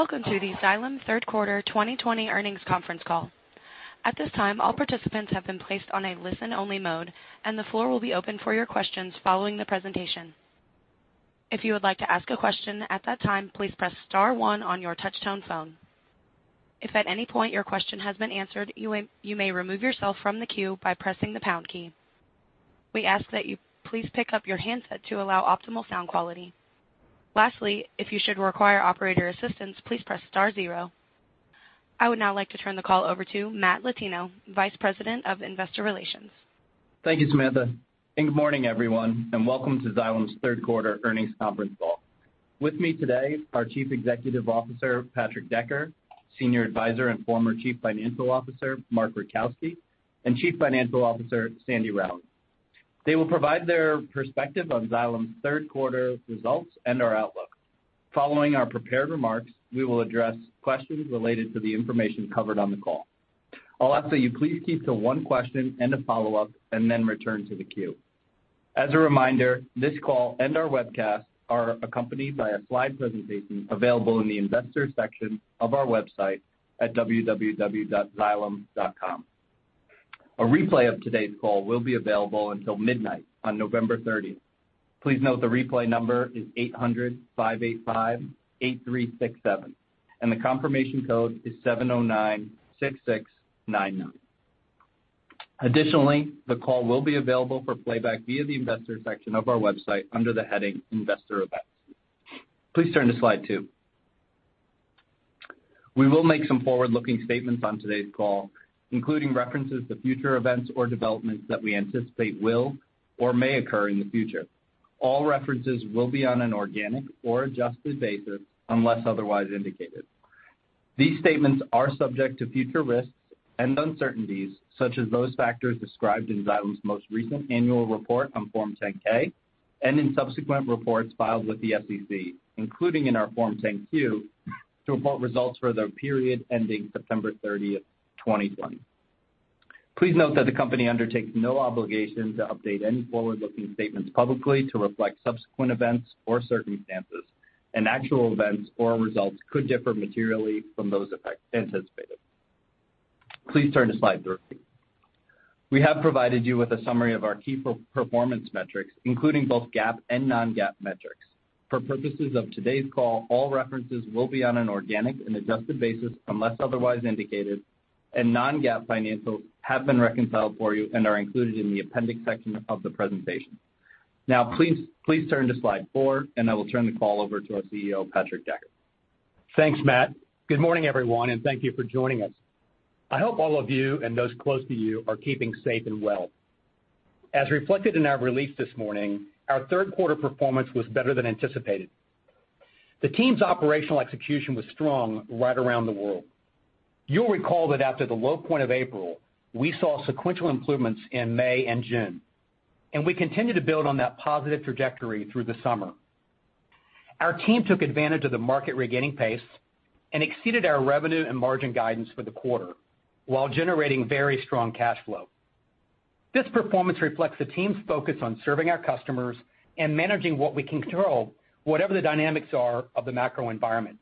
Welcome to the Xylem third quarter 2020 earnings conference call. At this time, all participants have been placed on a listen-only mode, and the floor will be open for your questions following the presentation. If you would like to ask a question at that time, please press star one on your touch-tone phone. If at any point your question has been answered, you may remove yourself from the queue by pressing the pound key. We ask that you please pick up your handset to allow optimal sound quality. Lastly, if you should require operator assistance, please press star zero. I would now like to turn the call over to Matt Latino, Vice President of Investor Relations. Thank you, Samantha. Good morning, everyone. Welcome to Xylem's third quarter earnings conference call. With me today are Chief Executive Officer Patrick Decker, Senior Advisor and former Chief Financial Officer Mark Rajkowski, and Chief Financial Officer Sandy Rowland. They will provide their perspective on Xylem's third quarter results and our outlook. Following our prepared remarks, we will address questions related to the information covered on the call. I'll ask that you please keep to one question and a follow-up, then return to the queue. As a reminder, this call and our webcast are accompanied by a slide presentation available in the Investors section of our website at www.xylem.com. A replay of today's call will be available until midnight on November 30th. Please note the replay number is 800-585-8367, and the confirmation code is 7096699. Additionally, the call will be available for playback via the Investors section of our website under the heading Investor Events. Please turn to slide two. We will make some forward-looking statements on today's call, including references to future events or developments that we anticipate will or may occur in the future. All references will be on an organic or adjusted basis unless otherwise indicated. These statements are subject to future risks and uncertainties, such as those factors described in Xylem's most recent annual report on Form 10-K and in subsequent reports filed with the SEC, including in our Form 10-Q to report results for the period ending September 30th, 2020. Please note that the company undertakes no obligation to update any forward-looking statements publicly to reflect subsequent events or circumstances, and actual events or results could differ materially from those anticipated. Please turn to slide three. We have provided you with a summary of our key performance metrics, including both GAAP and non-GAAP metrics. For purposes of today's call, all references will be on an organic and adjusted basis unless otherwise indicated, and non-GAAP financials have been reconciled for you and are included in the appendix section of the presentation. Now, please turn to slide four, and I will turn the call over to our CEO, Patrick Decker. Thanks, Matt. Good morning, everyone. Thank you for joining us. I hope all of you and those close to you are keeping safe and well. As reflected in our release this morning, our third quarter performance was better than anticipated. The team's operational execution was strong right around the world. You'll recall that after the low point of April, we saw sequential improvements in May and June. We continued to build on that positive trajectory through the summer. Our team took advantage of the market regaining pace and exceeded our revenue and margin guidance for the quarter while generating very strong cash flow. This performance reflects the team's focus on serving our customers and managing what we can control, whatever the dynamics are of the macro environment.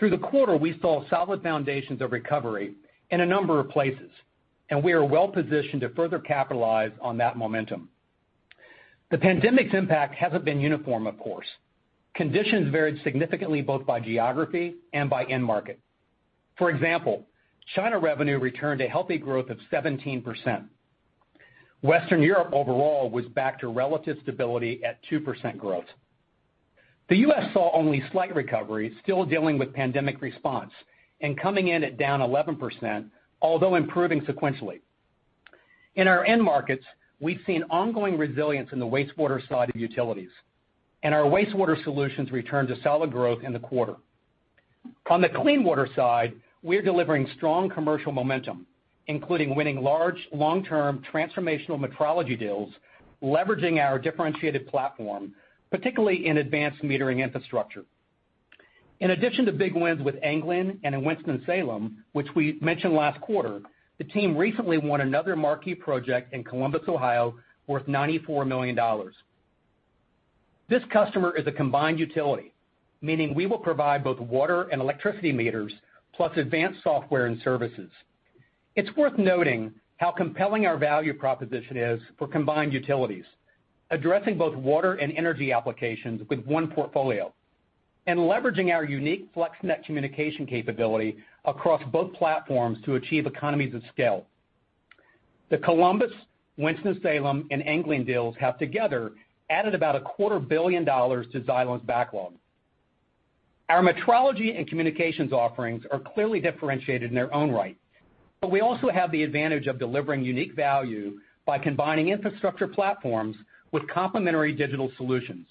Through the quarter, we saw solid foundations of recovery in a number of places, and we are well-positioned to further capitalize on that momentum. The pandemic's impact hasn't been uniform, of course. Conditions varied significantly both by geography and by end market. For example, China's revenue returned a healthy growth of 17%. Western Europe overall was back to relative stability at 2% growth. The U.S. saw only slight recovery, still dealing with pandemic response and coming in at down 11%, although improving sequentially. In our end markets, we've seen ongoing resilience in the wastewater side of utilities, and our wastewater solutions returned to solid growth in the quarter. On the clean water side, we're delivering strong commercial momentum, including winning large, long-term transformational metrology deals, leveraging our differentiated platform, particularly in advanced metering infrastructure. In addition to big wins with Anglian and in Winston-Salem, which we mentioned last quarter, the team recently won another marquee project in Columbus, Ohio, worth $94 million. This customer is a combined utility, meaning we will provide both water and electricity meters, plus advanced software and services. It's worth noting how compelling our value proposition is for combined utilities, addressing both water and energy applications with one portfolio and leveraging our unique FlexNet communication capability across both platforms to achieve economies of scale. The Columbus, Winston-Salem, and Angleton deals have together added about a quarter billion dollars to Xylem's backlog. Our metrology and communications offerings are clearly differentiated in their own right, but we also have the advantage of delivering unique value by combining infrastructure platforms with complementary digital solutions.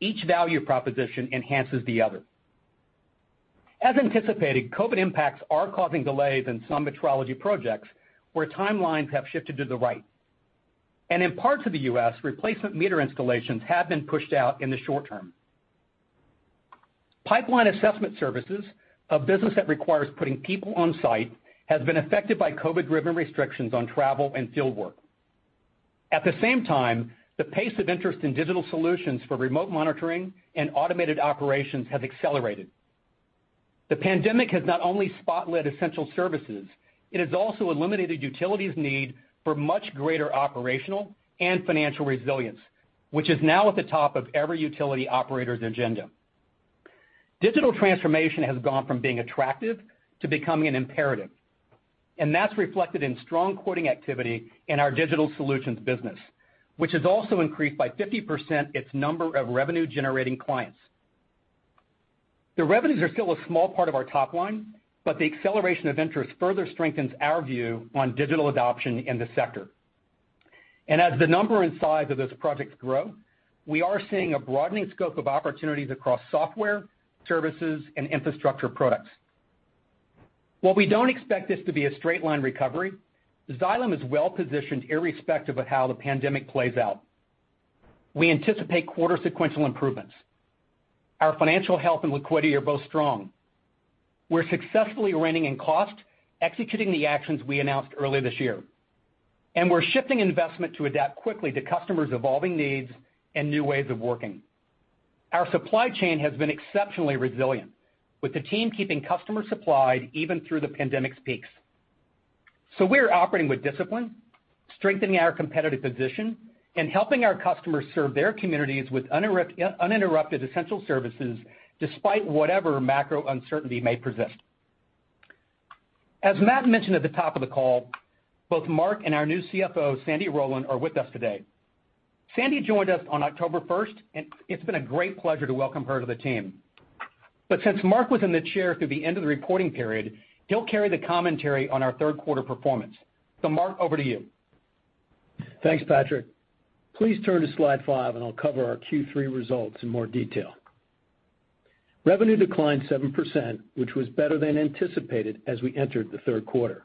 Each value proposition enhances the other. As anticipated, COVID impacts are causing delays in some metrology projects where timelines have shifted to the right. In parts of the U.S., replacement meter installations have been pushed out in the short term. Pipeline assessment services, a business that requires putting people on site, have been affected by COVID-driven restrictions on travel and fieldwork. At the same time, the pace of interest in digital solutions for remote monitoring and automated operations has accelerated. The pandemic has not only spotlight essential services; it has also illuminated utilities' need for much greater operational and financial resilience, which is now at the top of every utility operator's agenda. Digital transformation has gone from being attractive to becoming an imperative, and that's reflected in strong quoting activity in our digital solutions business, which has also increased by 50% its number of revenue-generating clients. The revenues are still a small part of our top line; the acceleration of interest further strengthens our view on digital adoption in the sector. As the number and size of those projects grow, we are seeing a broadening scope of opportunities across software, services, and infrastructure products. While we don't expect this to be a straight-line recovery, Xylem is well-positioned irrespective of how the pandemic plays out. We anticipate quarter sequential improvements. Our financial health and liquidity are both strong. We're successfully reining in costs, executing the actions we announced earlier this year. We're shifting investment to adapt quickly to customers' evolving needs and new ways of working. Our supply chain has been exceptionally resilient, with the team keeping customers supplied even through the pandemic's peaks. We're operating with discipline, strengthening our competitive position, and helping our customers serve their communities with uninterrupted essential services, despite whatever macro uncertainty may persist. As Matt mentioned at the top of the call, both Mark and our new CFO, Sandy Rowland, are with us today. Sandy joined us on October 1st, and it's been a great pleasure to welcome her to the team. Since Mark was in the chair through the end of the reporting period, he'll carry the commentary on our third quarter performance. Mark, over to you. Thanks, Patrick. Please turn to slide five and I'll cover our Q3 results in more detail. Revenue declined 7%, which was better than anticipated as we entered the third quarter.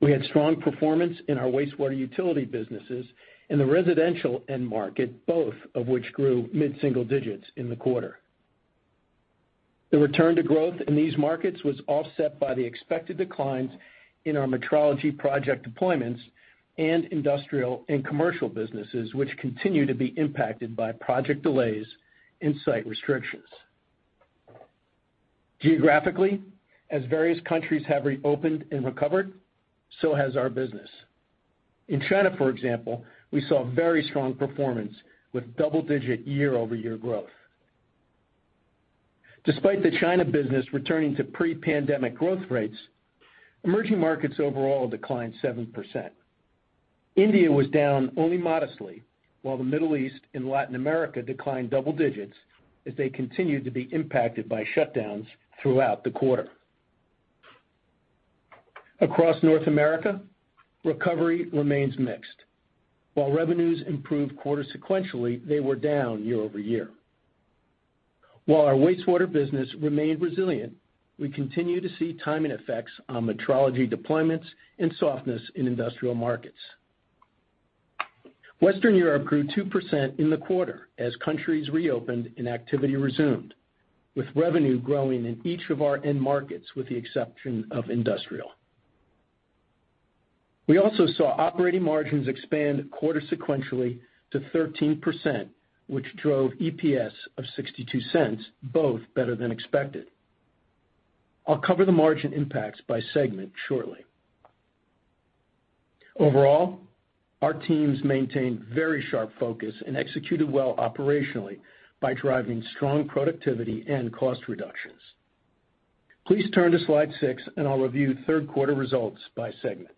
We had strong performance in our wastewater utility businesses in the residential end market, both of which grew mid-single digits in the quarter. The return to growth in these markets was offset by the expected declines in our metrology project deployments and industrial and commercial businesses, which continue to be impacted by project delays and site restrictions. Geographically, as various countries have reopened and recovered, so has our business. In China, for example, we saw very strong performance with double-digit year-over-year growth. Despite the China business returning to pre-pandemic growth rates, emerging markets overall declined 7%. India was down only modestly, while the Middle East and Latin America declined double digits as they continued to be impacted by shutdowns throughout the quarter. Across North America, recovery remains mixed. While revenues improved quarter sequentially, they were down year-over-year. While our wastewater business remained resilient, we continue to see timing effects on metrology deployments and softness in industrial markets. Western Europe grew 2% in the quarter as countries reopened and activity resumed, with revenue growing in each of our end markets with the exception of industrial. We also saw operating margins expand quarter sequentially to 13%, which drove EPS of $0.62, both better than expected. I'll cover the margin impacts by segment shortly. Overall, our teams maintained very sharp focus and executed well operationally by driving strong productivity and cost reductions. Please turn to slide six, and I'll review third quarter results by segment.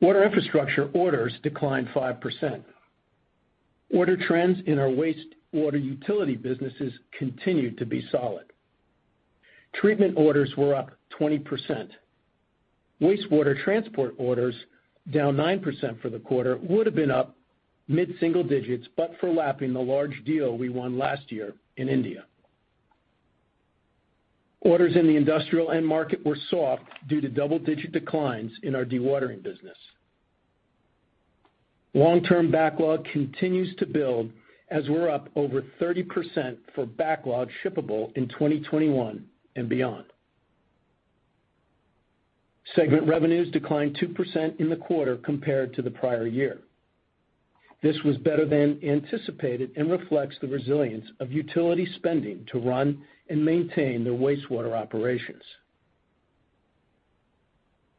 Water infrastructure orders declined 5%. Order trends in our wastewater utility businesses continued to be solid. Treatment orders were up 20%. Wastewater transport orders, down 9% for the quarter, would've been up mid-single digits but for lapping the large deal we won last year in India. Orders in the industrial end market were soft due to double-digit declines in our dewatering business. Long-term backlog continues to build as we're up over 30% for backlog shippable in 2021 and beyond. Segment revenues declined 2% in the quarter compared to the prior year. This was better than anticipated and reflects the resilience of utility spending to run and maintain their wastewater operations.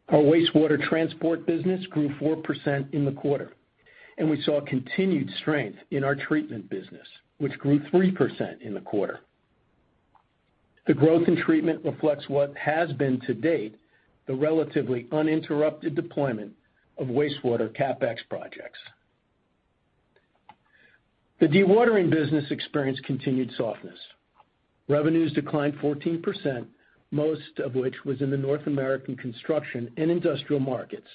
Our wastewater transport business grew 4% in the quarter, and we saw continued strength in our treatment business, which grew 3% in the quarter. The growth in treatment reflects what has been to date, the relatively uninterrupted deployment of wastewater CapEx projects. The dewatering business experienced continued softness. Revenues declined 14%, most of which was in the North American construction and industrial markets,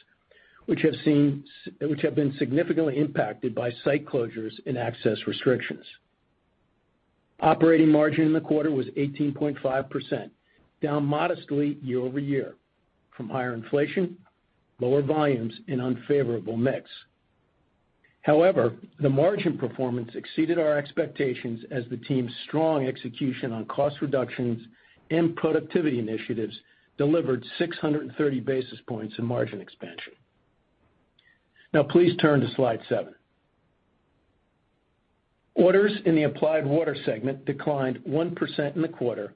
which have been significantly impacted by site closures and access restrictions. Operating margin in the quarter was 18.5%, down modestly year-over-year from higher inflation, lower volumes, and unfavorable mix. However, the margin performance exceeded our expectations as the team's strong execution on cost reductions and productivity initiatives delivered 630 basis points in margin expansion. Please turn to slide seven. Orders in the Applied Water segment declined 1% in the quarter,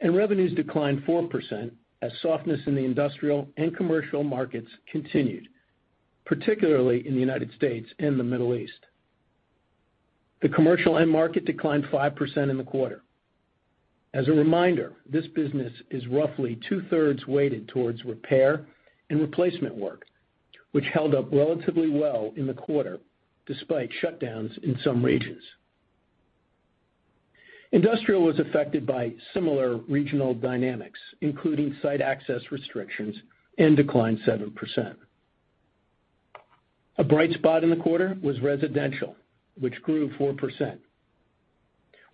and revenues declined 4% as softness in the industrial and commercial markets continued, particularly in the United States and the Middle East. The commercial end market declined 5% in the quarter. As a reminder, this business is roughly two-thirds weighted towards repair and replacement work, which held up relatively well in the quarter despite shutdowns in some regions. Industrial was affected by similar regional dynamics, including site access restrictions, and declined 7%. A bright spot in the quarter was residential, which grew 4%.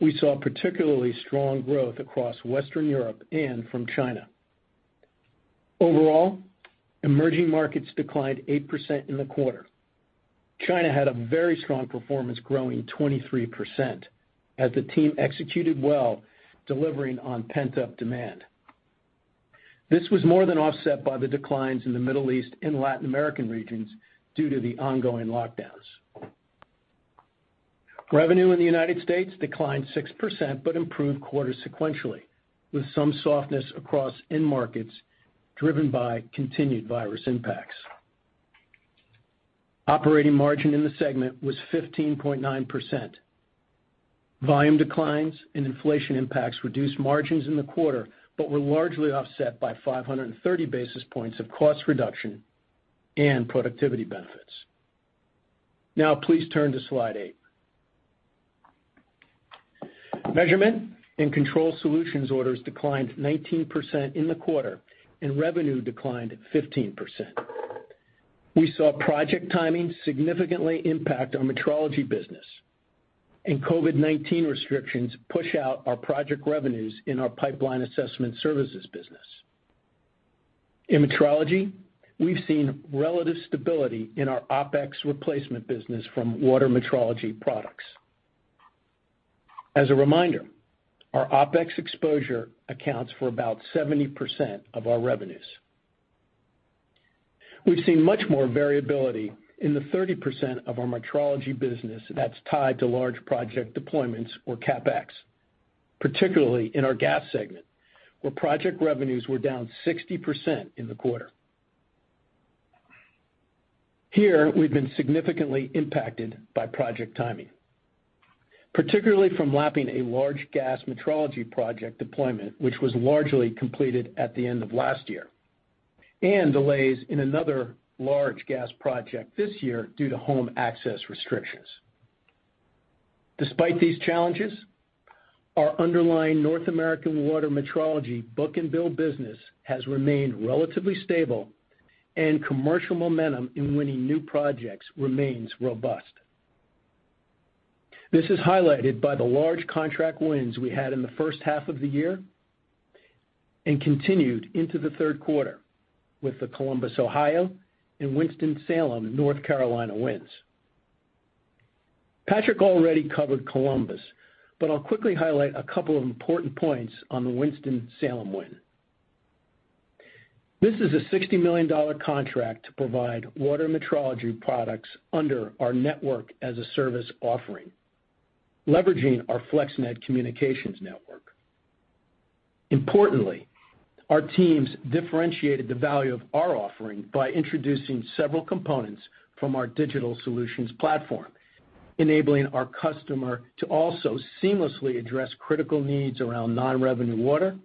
We saw particularly strong growth across Western Europe and from China. Overall, emerging markets declined 8% in the quarter. China had a very strong performance, growing 23%, as the team executed well, delivering on pent-up demand. This was more than offset by the declines in the Middle East and Latin American regions due to the ongoing lockdowns. Revenue in the United States declined 6% but improved quarter sequentially, with some softness across end markets driven by continued virus impacts. Operating margin in the segment was 15.9%. Volume declines and inflation impacts reduced margins in the quarter but were largely offset by 530 basis points of cost reduction and productivity benefits. Now please turn to slide eight. Measurement & Control Solutions orders declined 19% in the quarter, and revenue declined 15%. We saw project timing significantly impact our metrology business, and COVID-19 restrictions push out our project revenues in our pipeline assessment services business. In metrology, we've seen relative stability in our OpEx replacement business from water metrology products. As a reminder, our OpEx exposure accounts for about 70% of our revenues. We've seen much more variability in the 30% of our metrology business that's tied to large project deployments or CapEx, particularly in our gas segment, where project revenues were down 60% in the quarter. Here, we've been significantly impacted by project timing, particularly from lapping a large gas metrology project deployment, which was largely completed at the end of last year, and delays in another large gas project this year due to home access restrictions. Despite these challenges, our underlying North American water metrology book and bill business has remained relatively stable, and commercial momentum in winning new projects remains robust. This is highlighted by the large contract wins we had in the first half of the year and continued into the third quarter with the Columbus, Ohio, and Winston-Salem, North Carolina, wins. Patrick already covered Columbus; I'll quickly highlight a couple of important points on the Winston-Salem win. This is a $60 million contract to provide water metrology products under our network as a service offering, leveraging our FlexNet communications network. Importantly, our teams differentiated the value of our offering by introducing several components from our digital solutions platform, enabling our customer to also seamlessly address critical needs around non-revenue water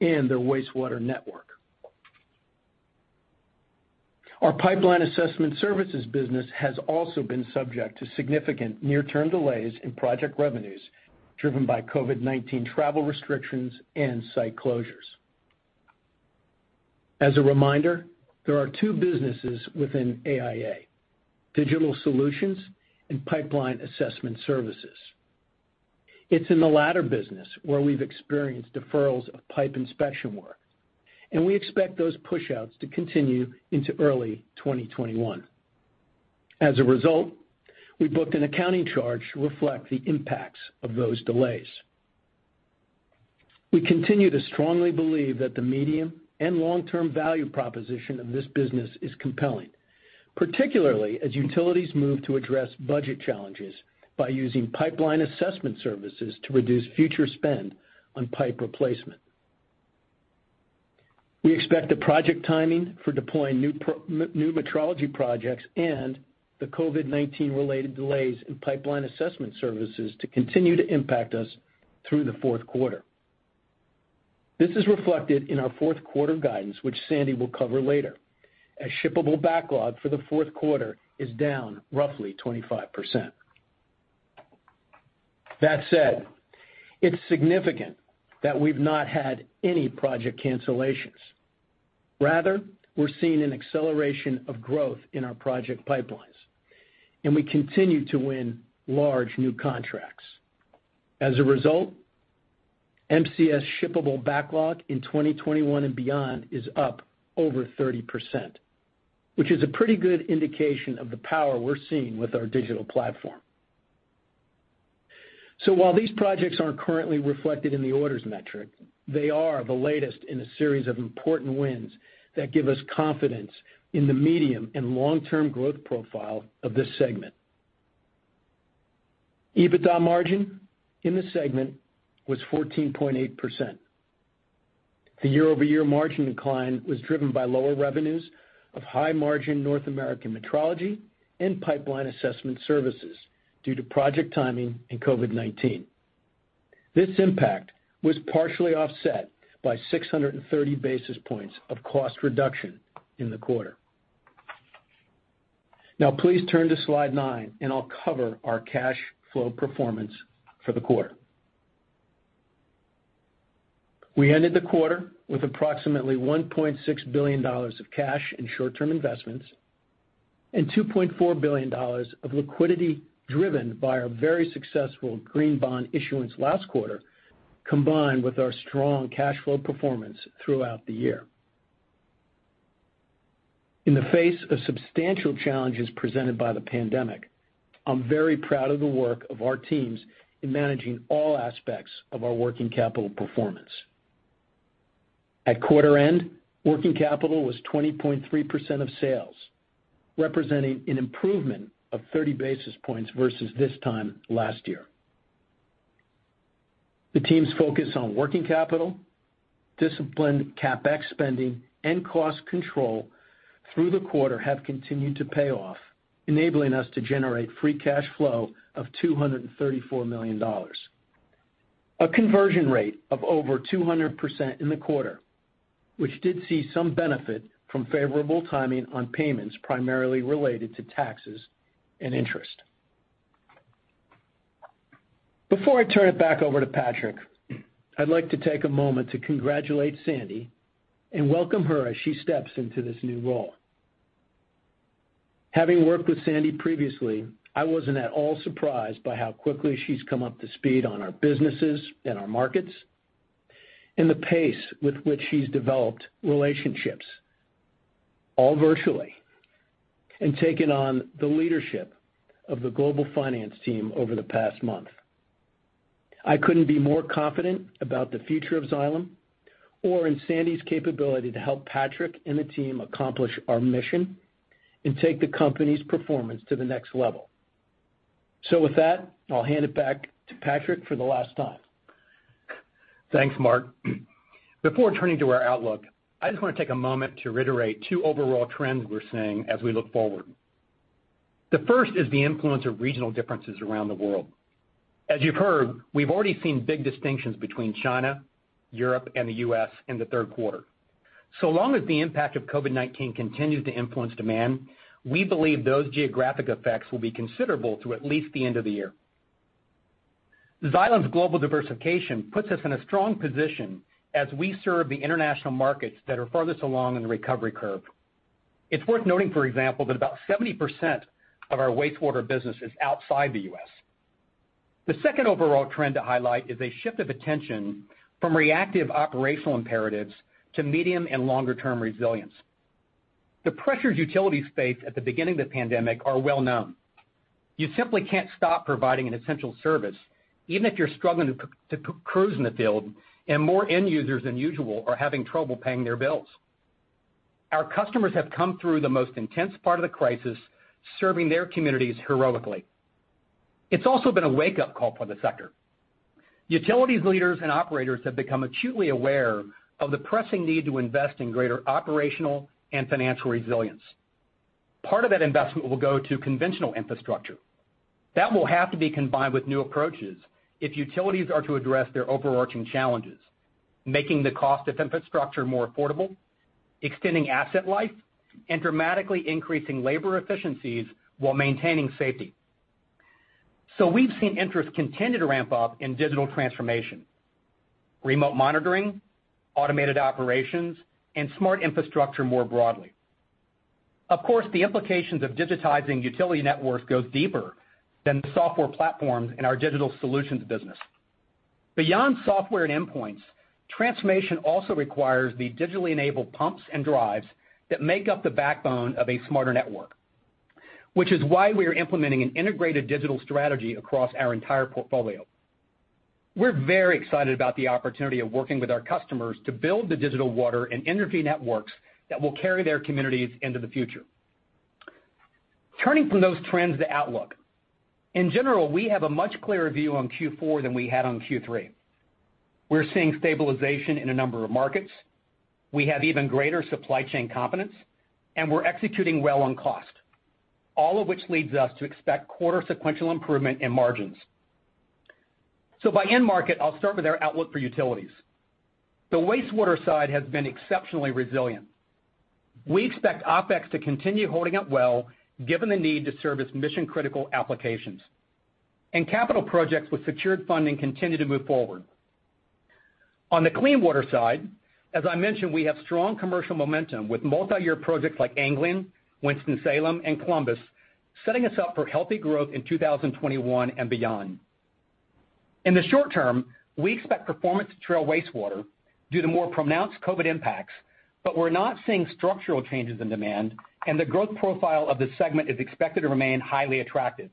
and their wastewater network. Our pipeline assessment services business has also been subject to significant near-term delays in project revenues driven by COVID-19 travel restrictions and site closures. As a reminder, there are two businesses within AIA: digital solutions and pipeline assessment services. It's in the latter business where we've experienced deferrals of pipe inspection work, and we expect those pushouts to continue into early 2021. We booked an accounting charge to reflect the impacts of those delays. We continue to strongly believe that the medium and long-term value proposition of this business is compelling, particularly as utilities move to address budget challenges by using pipeline assessment services to reduce future spend on pipe replacement. We expect the project timing for deploying new metrology projects and the COVID-19-related delays in pipeline assessment services to continue to impact us through the fourth quarter. This is reflected in our fourth quarter guidance, which Sandy will cover later, as shippable backlog for the fourth quarter is down roughly 25%. That said, it's significant that we've not had any project cancellations. Rather, we're seeing an acceleration of growth in our project pipelines, and we continue to win large new contracts. As a result, MCS's shippable backlog in 2021 and beyond is up over 30%, which is a pretty good indication of the power we're seeing with our digital platform. While these projects aren't currently reflected in the orders metric, they are the latest in a series of important wins that give us confidence in the medium and long-term growth profile of this segment. EBITDA margin in the segment was 14.8%. The year-over-year margin decline was driven by lower revenues of high-margin North American metrology and pipeline assessment services due to project timing and COVID-19. This impact was partially offset by 630 basis points of cost reduction in the quarter. Now please turn to Slide nine, and I'll cover our cash flow performance for the quarter. We ended the quarter with approximately $1.6 billion of cash and short-term investments and $2.4 billion of liquidity driven by our very successful green bond issuance last quarter, combined with our strong cash flow performance throughout the year. In the face of substantial challenges presented by the pandemic, I'm very proud of the work of our teams in managing all aspects of our working capital performance. At quarter end, working capital was 20.3% of sales, representing an improvement of 30 basis points versus this time last year. The team's focus on working capital, disciplined CapEx spending, and cost control through the quarter have continued to pay off, enabling us to generate free cash flow of $234 million, a conversion rate of over 200% in the quarter, which did see some benefit from favorable timing on payments, primarily related to taxes and interest. Before I turn it back over to Patrick, I'd like to take a moment to congratulate Sandy and welcome her as she steps into this new role. Having worked with Sandy previously, I wasn't at all surprised by how quickly she's come up to speed on our businesses and our markets and the pace with which she's developed relationships, all virtually, and taken on the leadership of the global finance team over the past month. I couldn't be more confident about the future of Xylem or in Sandy's capability to help Patrick and the team accomplish our mission and take the company's performance to the next level. With that, I'll hand it back to Patrick for the last time. Thanks, Mark. Before turning to our outlook, I just want to take a moment to reiterate two overall trends we're seeing as we look forward. The first is the influence of regional differences around the world. As you've heard, we've already seen big distinctions between China, Europe, and the U.S. in the third quarter. Long as the impact of COVID-19 continues to influence demand, we believe those geographic effects will be considerable through at least the end of the year. Xylem's global diversification puts us in a strong position as we serve the international markets that are furthest along in the recovery curve. It's worth noting, for example, that about 70% of our wastewater business is outside the U.S. The second overall trend to highlight is a shift of attention from reactive operational imperatives to medium and longer-term resilience. The pressures utilities faced at the beginning of the pandemic are well-known. You simply can't stop providing an essential service, even if you're struggling to crews in the field and more end users than usual are having trouble paying their bills. Our customers have come through the most intense part of the crisis, serving their communities heroically. It's also been a wake-up call for the sector. Utilities leaders and operators have become acutely aware of the pressing need to invest in greater operational and financial resilience. Part of that investment will go to conventional infrastructure. That will have to be combined with new approaches if utilities are to address their overarching challenges, making the cost of infrastructure more affordable, extending asset life, and dramatically increasing labor efficiencies while maintaining safety. We've seen interest continue to ramp up in digital transformation, remote monitoring, automated operations, and smart infrastructure more broadly. Of course, the implications of digitizing utility networks goes deeper than the software platforms in our digital solutions business. Beyond software and endpoints, transformation also requires the digitally enabled pumps and drives that make up the backbone of a smarter network, which is why we are implementing an integrated digital strategy across our entire portfolio. We're very excited about the opportunity of working with our customers to build the digital water and energy networks that will carry their communities into the future. Turning from those trends to outlook, in general, we have a much clearer view on Q4 than we had on Q3. We're seeing stabilization in a number of markets, we have even greater supply chain confidence, and we're executing well on cost, all of which leads us to expect quarter sequential improvement in margins. By end market, I'll start with our outlook for utilities. The wastewater side has been exceptionally resilient. We expect OpEx to continue holding up well given the need to service mission-critical applications. Capital projects with secured funding continue to move forward. On the clean water side, as I mentioned, we have strong commercial momentum with multi-year projects like Angleton, Winston-Salem, and Columbus, setting us up for healthy growth in 2021 and beyond. In the short term, we expect performance to trail wastewater due to more pronounced COVID impacts, but we're not seeing structural changes in demand, and the growth profile of this segment is expected to remain highly attractive.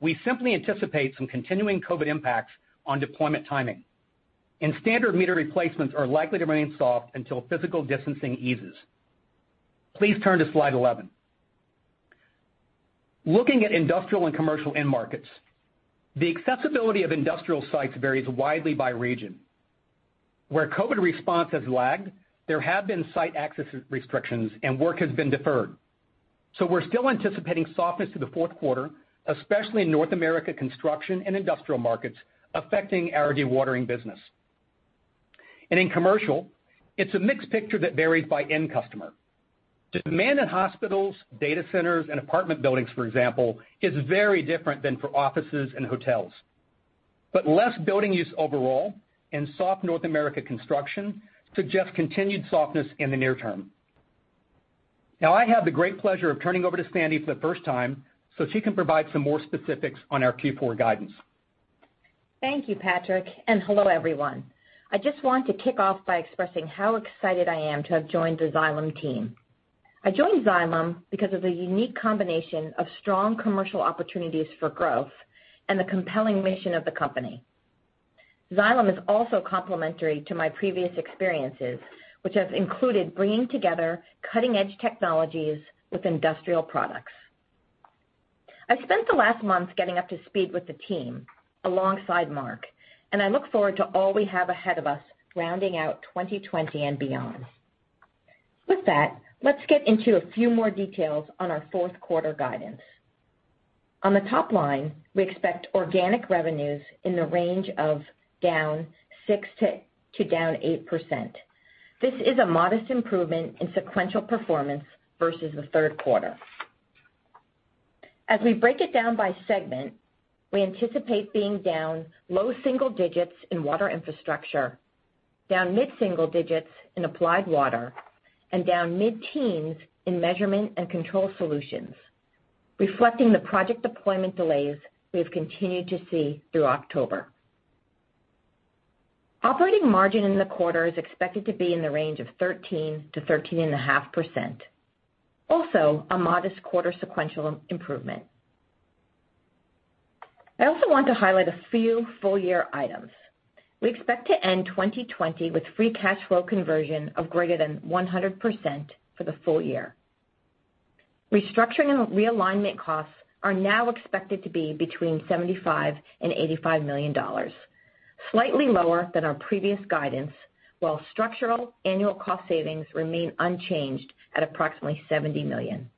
We simply anticipate some continuing COVID impacts on deployment timing, and standard meter replacements are likely to remain soft until physical distancing eases. Please turn to slide 11. Looking at industrial and commercial end markets, the accessibility of industrial sites varies widely by region. Where COVID-19 response has lagged, there have been site access restrictions, and work has been deferred. We're still anticipating softness through the fourth quarter, especially in North American construction and industrial markets, affecting dewatering business. In commercial, it's a mixed picture that varies by end customer. Demand at hospitals, data centers, and apartment buildings, for example, is very different than for offices and hotels. Less building use overall and soft North American construction suggest continued softness in the near term. I have the great pleasure of turning over to Sandy for the first time so she can provide some more specifics on our Q4 guidance. Thank you, Patrick. Hello, everyone. I just want to kick off by expressing how excited I am to have joined the Xylem team. I joined Xylem because of the unique combination of strong commercial opportunities for growth and the compelling mission of the company. Xylem is also complementary to my previous experiences, which have included bringing together cutting-edge technologies with industrial products. I've spent the last month getting up to speed with the team alongside Mark, and I look forward to all we have ahead of us rounding out 2020 and beyond. With that, let's get into a few more details on our fourth quarter guidance. On the top line, we expect organic revenues in the range of down 6% to down 8%. This is a modest improvement in sequential performance versus the third quarter. As we break it down by segment, we anticipate being down low single digits in Water Infrastructure, down mid-single digits in Applied Water, and down mid-teens in Measurement & Control Solutions, reflecting the project deployment delays we have continued to see through October. Operating margin in the quarter is expected to be in the range of 13%-13.5%, also a modest quarter sequential improvement. I also want to highlight a few full-year items. We expect to end 2020 with free cash flow conversion of greater than 100% for the full year. Restructuring and realignment costs are now expected to be between $75 million and $85 million, slightly lower than our previous guidance, while structural annual cost savings remain unchanged at approximately $70 million.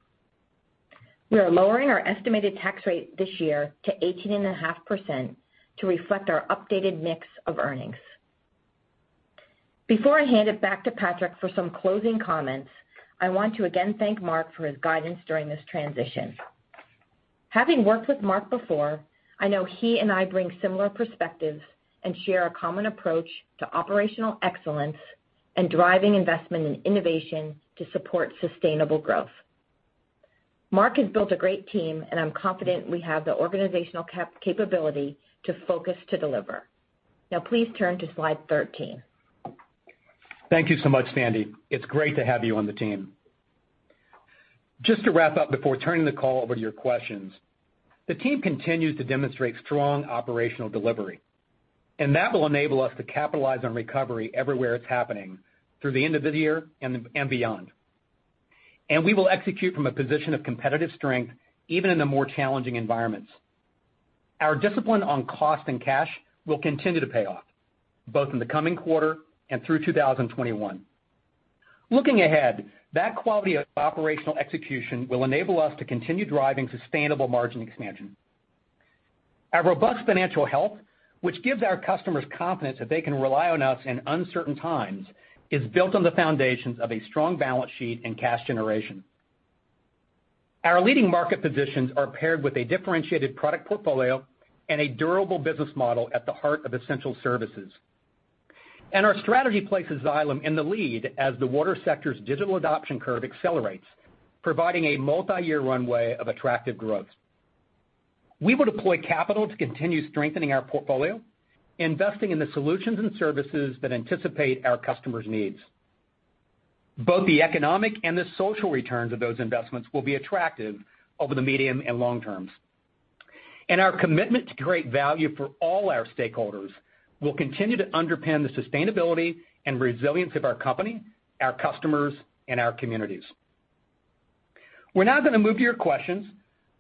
We are lowering our estimated tax rate this year to 18.5% to reflect our updated mix of earnings. Before I hand it back to Patrick for some closing comments, I want to again thank Mark for his guidance during this transition. Having worked with Mark before, I know he and I bring similar perspectives and share a common approach to operational excellence and driving investment in innovation to support sustainable growth. Mark has built a great team, and I'm confident we have the organizational capability to focus to deliver. Now please turn to slide 13. Thank you so much, Sandy. It's great to have you on the team. Just to wrap up before turning the call over to your questions, the team continues to demonstrate strong operational delivery, and that will enable us to capitalize on recovery everywhere it's happening through the end of the year and beyond. We will execute from a position of competitive strength, even in the more challenging environments. Our discipline on cost and cash will continue to pay off, both in the coming quarter and through 2021. Looking ahead, that quality of operational execution will enable us to continue driving sustainable margin expansion. Our robust financial health, which gives our customers confidence that they can rely on us in uncertain times, is built on the foundations of a strong balance sheet and cash generation. Our leading market positions are paired with a differentiated product portfolio and a durable business model at the heart of essential services. Our strategy places Xylem in the lead as the water sector's digital adoption curve accelerates, providing a multi-year runway of attractive growth. We will deploy capital to continue strengthening our portfolio, investing in the solutions and services that anticipate our customers' needs. Both the economic and the social returns of those investments will be attractive over the medium and long terms. Our commitment to create value for all our stakeholders will continue to underpin the sustainability and resilience of our company, our customers, and our communities. We're now going to move to your questions,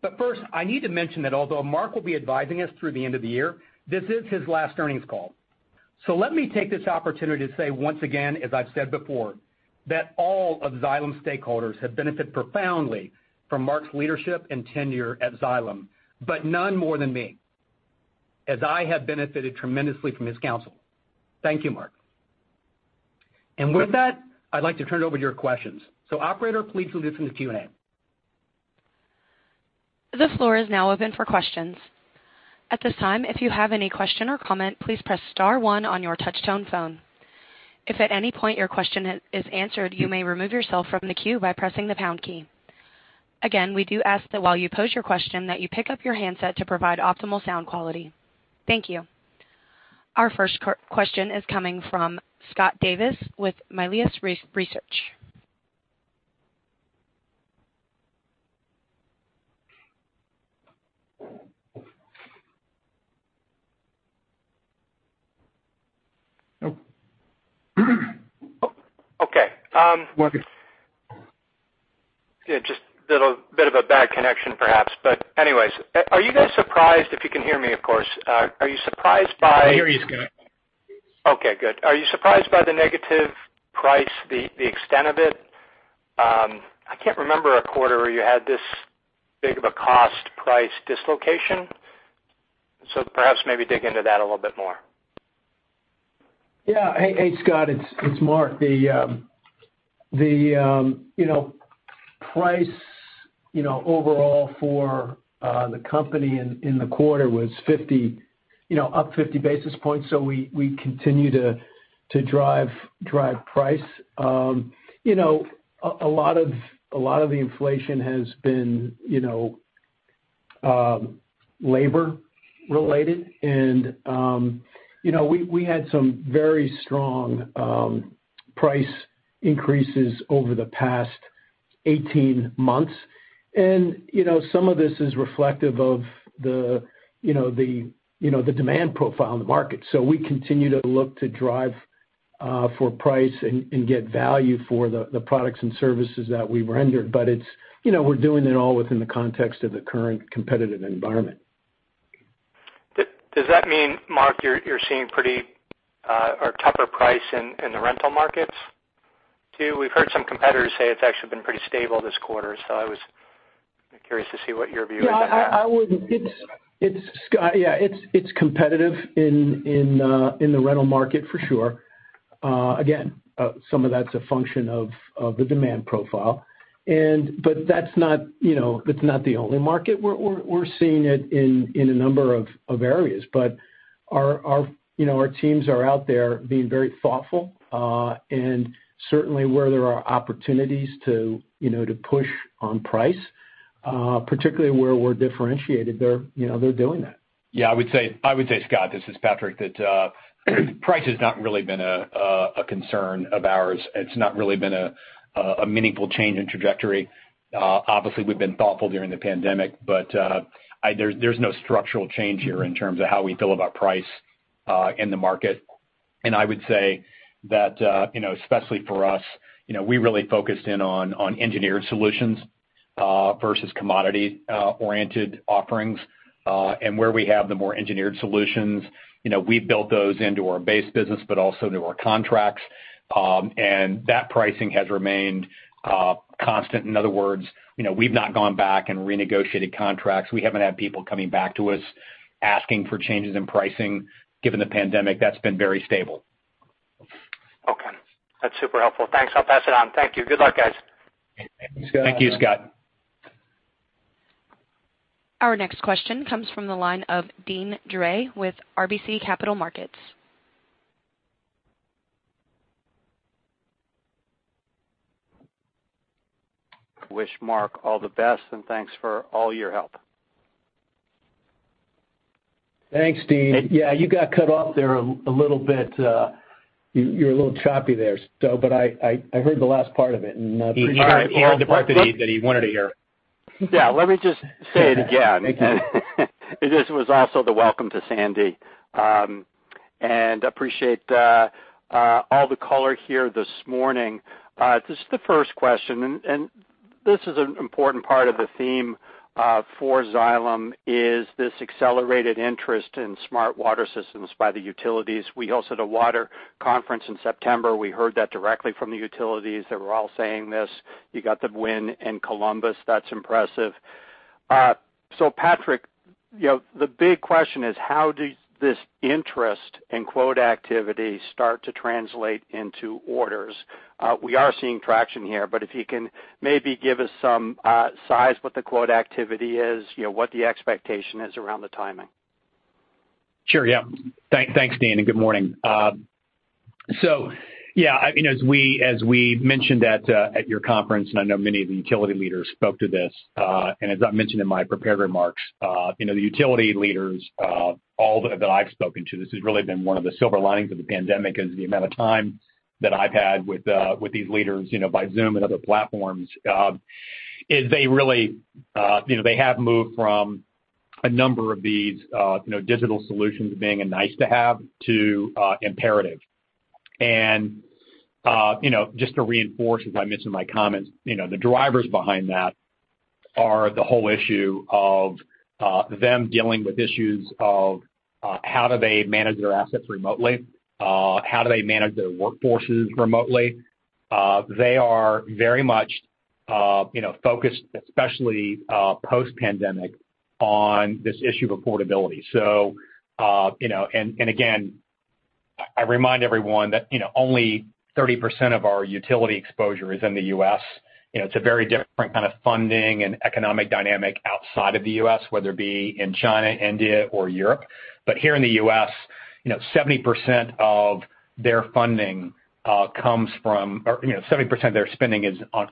but first, I need to mention that although Mark will be advising us through the end of the year, this is his last earnings call. Let me take this opportunity to say, once again, as I've said before, that all of Xylem's stakeholders have benefited profoundly from Mark's leadership and tenure at Xylem, but none more than me, as I have benefited tremendously from his counsel. Thank you, Mark. With that, I'd like to turn it over to your questions. Operator, please, we'll listen to Q&A. The floor is now open for questions. At this time, if you have any questions or comments, please press star one on your touch-tone phone. If at any point your question is answered, you may remove yourself from the queue by pressing the pound key. Again, we do ask that while you pose your question that you pick up your handset to provide optimal sound quality. Thank you. Our first question is coming from Scott Davis with Melius Research. Okay. Welcome. Yeah, just little bit of a bad connection perhaps, but anyways. Are you guys surprised, if you can hear me, of course? I can hear you, Scott. Okay, good. Are you surprised by the negative price, the extent of it? I can't remember a quarter where you had this big of a cost price dislocation. Perhaps maybe dig into that a little bit more. Yeah. Hey, Scott, it's Mark. The price overall for the company in the quarter was up 50 basis points. We continue to drive prices. A lot of the inflation has been labor-related, and we had some very strong price increases over the past 18 months. Some of this is reflective of the demand profile in the market. We continue to look to drive for price and get value for the products and services that we've rendered. We're doing it all within the context of the current competitive environment. Does that mean, Mark, you're seeing pretty or tougher prices in the rental markets too? We've heard some competitors say it's actually been pretty stable this quarter. I was curious to see what your view is on that. Yeah. It's competitive in the rental market for sure. Again, some of that's a function of the demand profile. That's not the only market. We're seeing it in a number of areas, but our teams are out there being very thoughtful. Certainly where there are opportunities to push on price, particularly where we're differentiated, they're doing that. Yeah, I would say, Scott, this is Patrick; that price has not really been a concern of ours. It's not really been a meaningful change in trajectory. Obviously, we've been thoughtful during the pandemic; there's no structural change here in terms of how we feel about price in the market. I would say that, especially for us, we really focused in on engineered solutions versus commodity-oriented offerings. Where we have the more engineered solutions, we've built those into our base business, also into our contracts. That pricing has remained constant. In other words, we've not gone back and renegotiated contracts. We haven't had people coming back to us asking for changes in pricing given the pandemic. That's been very stable. Okay. That's super helpful. Thanks. I'll pass it on. Thank you. Good luck, guys. Thank you, Scott. Our next question comes from the line of Deane Dray with RBC Capital Markets. Wish Mark all the best and thanks for all your help. Thanks, Deane. Yeah, you got cut off there a little bit. You were a little choppy there. I heard the last part of it and appreciate all the. He heard the part that he wanted to hear. Yeah, let me just say it again. This was also the welcome to Sandy. Appreciate all the color here this morning. This is the first question, and this is an important part of the theme for Xylem is this accelerated interest in smart water systems by the utilities. We hosted a water conference in September. We heard that directly from the utilities. They were all saying this. You got the win in Columbus. That's impressive. Patrick, the big question is how does this interest in quote activity start to translate into orders? We are seeing traction here, but if you can, maybe give us some size, what the quote activity is, what the expectation is around the timing. Sure, yeah. Thanks, Deane, and good morning. As we mentioned at your conference, and I know many of the utility leaders spoke to this, and as I mentioned in my prepared remarks, the utility leaders, all that I've spoken to, this has really been one of the silver linings of the pandemic is the amount of time that I've had with these leaders by Zoom and other platforms, is they have moved from a number of these digital solutions being a nice-to-have to imperative. Just to reinforce, as I mentioned in my comments, the drivers behind that are the whole issue of them dealing with issues of how do they manage their assets remotely, how do they manage their workforces remotely. They are very much focused, especially post-pandemic, on this issue of affordability. Again, I remind everyone that only 30% of our utility exposure is in the U.S. It's a very different kind of funding and economic dynamic outside of the U.S., whether it be in China, India, or Europe. Here in the U.S., 70% of their spending is on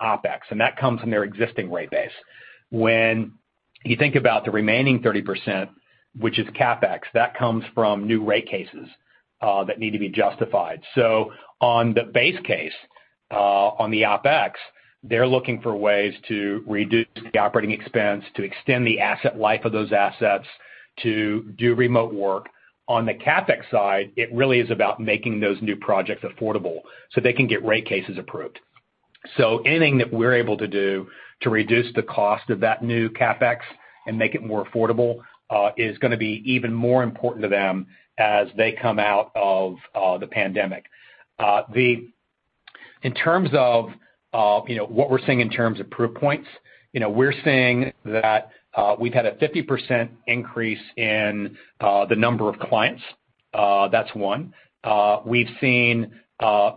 OpEx, and that comes from their existing rate base. When you think about the remaining 30%, which is CapEx, that comes from new rate cases that need to be justified. On the base case, on the OpEx, they're looking for ways to reduce the operating expense, to extend the asset life of those assets, to do remote work. On the CapEx side, it really is about making those new projects affordable so they can get rate cases approved. Anything that we're able to do to reduce the cost of that new CapEx and make it more affordable is going to be even more important to them as they come out of the pandemic. In terms of what we're seeing in terms of proof points, we're seeing that we've had a 50% increase in the number of clients. That's one. We've seen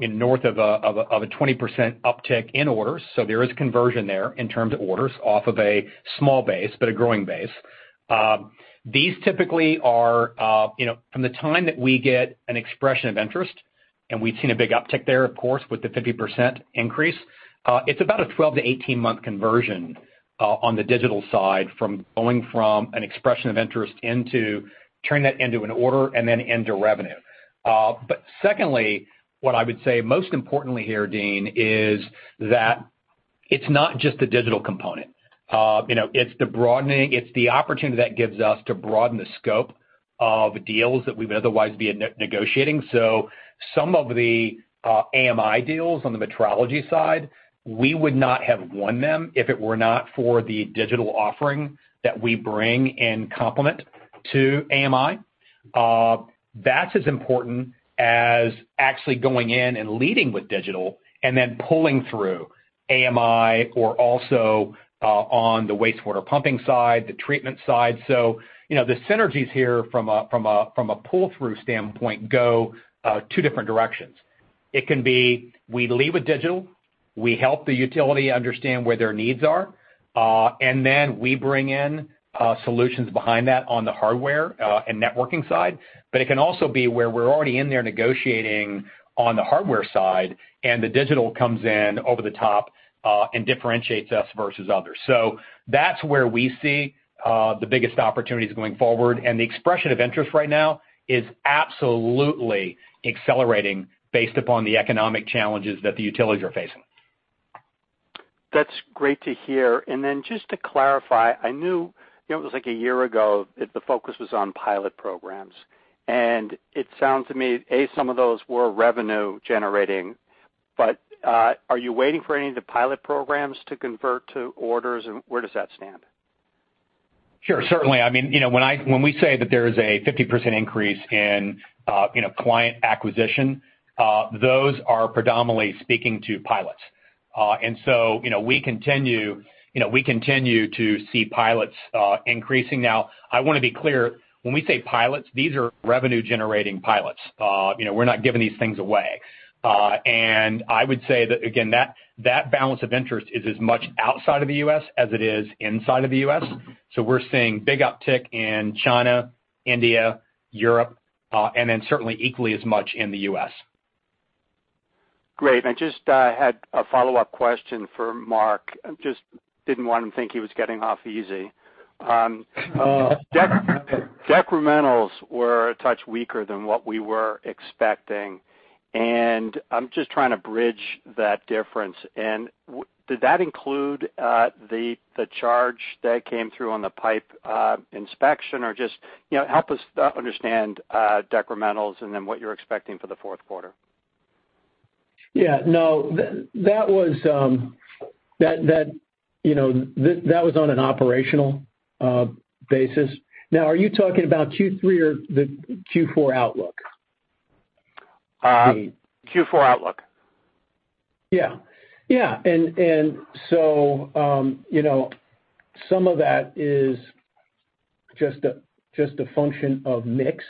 north of a 20% uptick in orders, so there is conversion there in terms of orders off of a small base, but a growing base. These typically are, from the time that we get an expression of interest, and we've seen a big uptick there, of course, with the 50% increase, it's about a 12 to 18 month conversion on the digital side from going from an expression of interest into turning that into an order and then into revenue. Secondly, what I would say most importantly here, Deane, is that it's not just the digital component. It's the opportunity that gives us to broaden the scope of deals that we would otherwise be negotiating. Some of the AMI deals on the metrology side, we would not have won them if it were not for the digital offering that we bring in complement to AMI. That's as important as actually going in and leading with digital and then pulling through AMI or also on the wastewater pumping side, the treatment side. The synergies here from a pull-through standpoint go two different directions. It can be, we lead with digital, we help the utility understand where their needs are, and then we bring in solutions behind that on the hardware and networking side. It can also be where we're already in there negotiating on the hardware side, and the digital comes in over the top and differentiates us versus others. That's where we see the biggest opportunities going forward, and the expression of interest right now is absolutely accelerating based upon the economic challenges that the utilities are facing. That's great to hear. Just to clarify, I knew it was like a year ago that the focus was on pilot programs. It sounds to me, A, some of those were revenue-generating. Are you waiting for any of the pilot programs to convert to orders? Where does that stand? Sure, certainly. When we say that there is a 50% increase in client acquisition, those are predominantly speaking to pilots. We continue to see pilots increasing. Now, I want to be clear: when we say "pilots," these are revenue-generating pilots. We're not giving these things away. I would say that again, that balance of interest is as much outside of the U.S. as it is inside of the U.S. We're seeing big uptick in China, India, Europe, and certainly equally as much in the U.S. Great. I just had a follow-up question for Mark. Just didn't want him to think he was getting off easy. Decrementals were a touch weaker than what we were expecting, and I'm just trying to bridge that difference. Did that include the charge that came through on the pipe inspection? Or just help us understand decrementals and then what you're expecting for the fourth quarter. Yeah, no, that was on an operational basis. Now, are you talking about Q3 or the Q4 outlook? Q4 outlook. Yeah. Some of that is just a function of mix.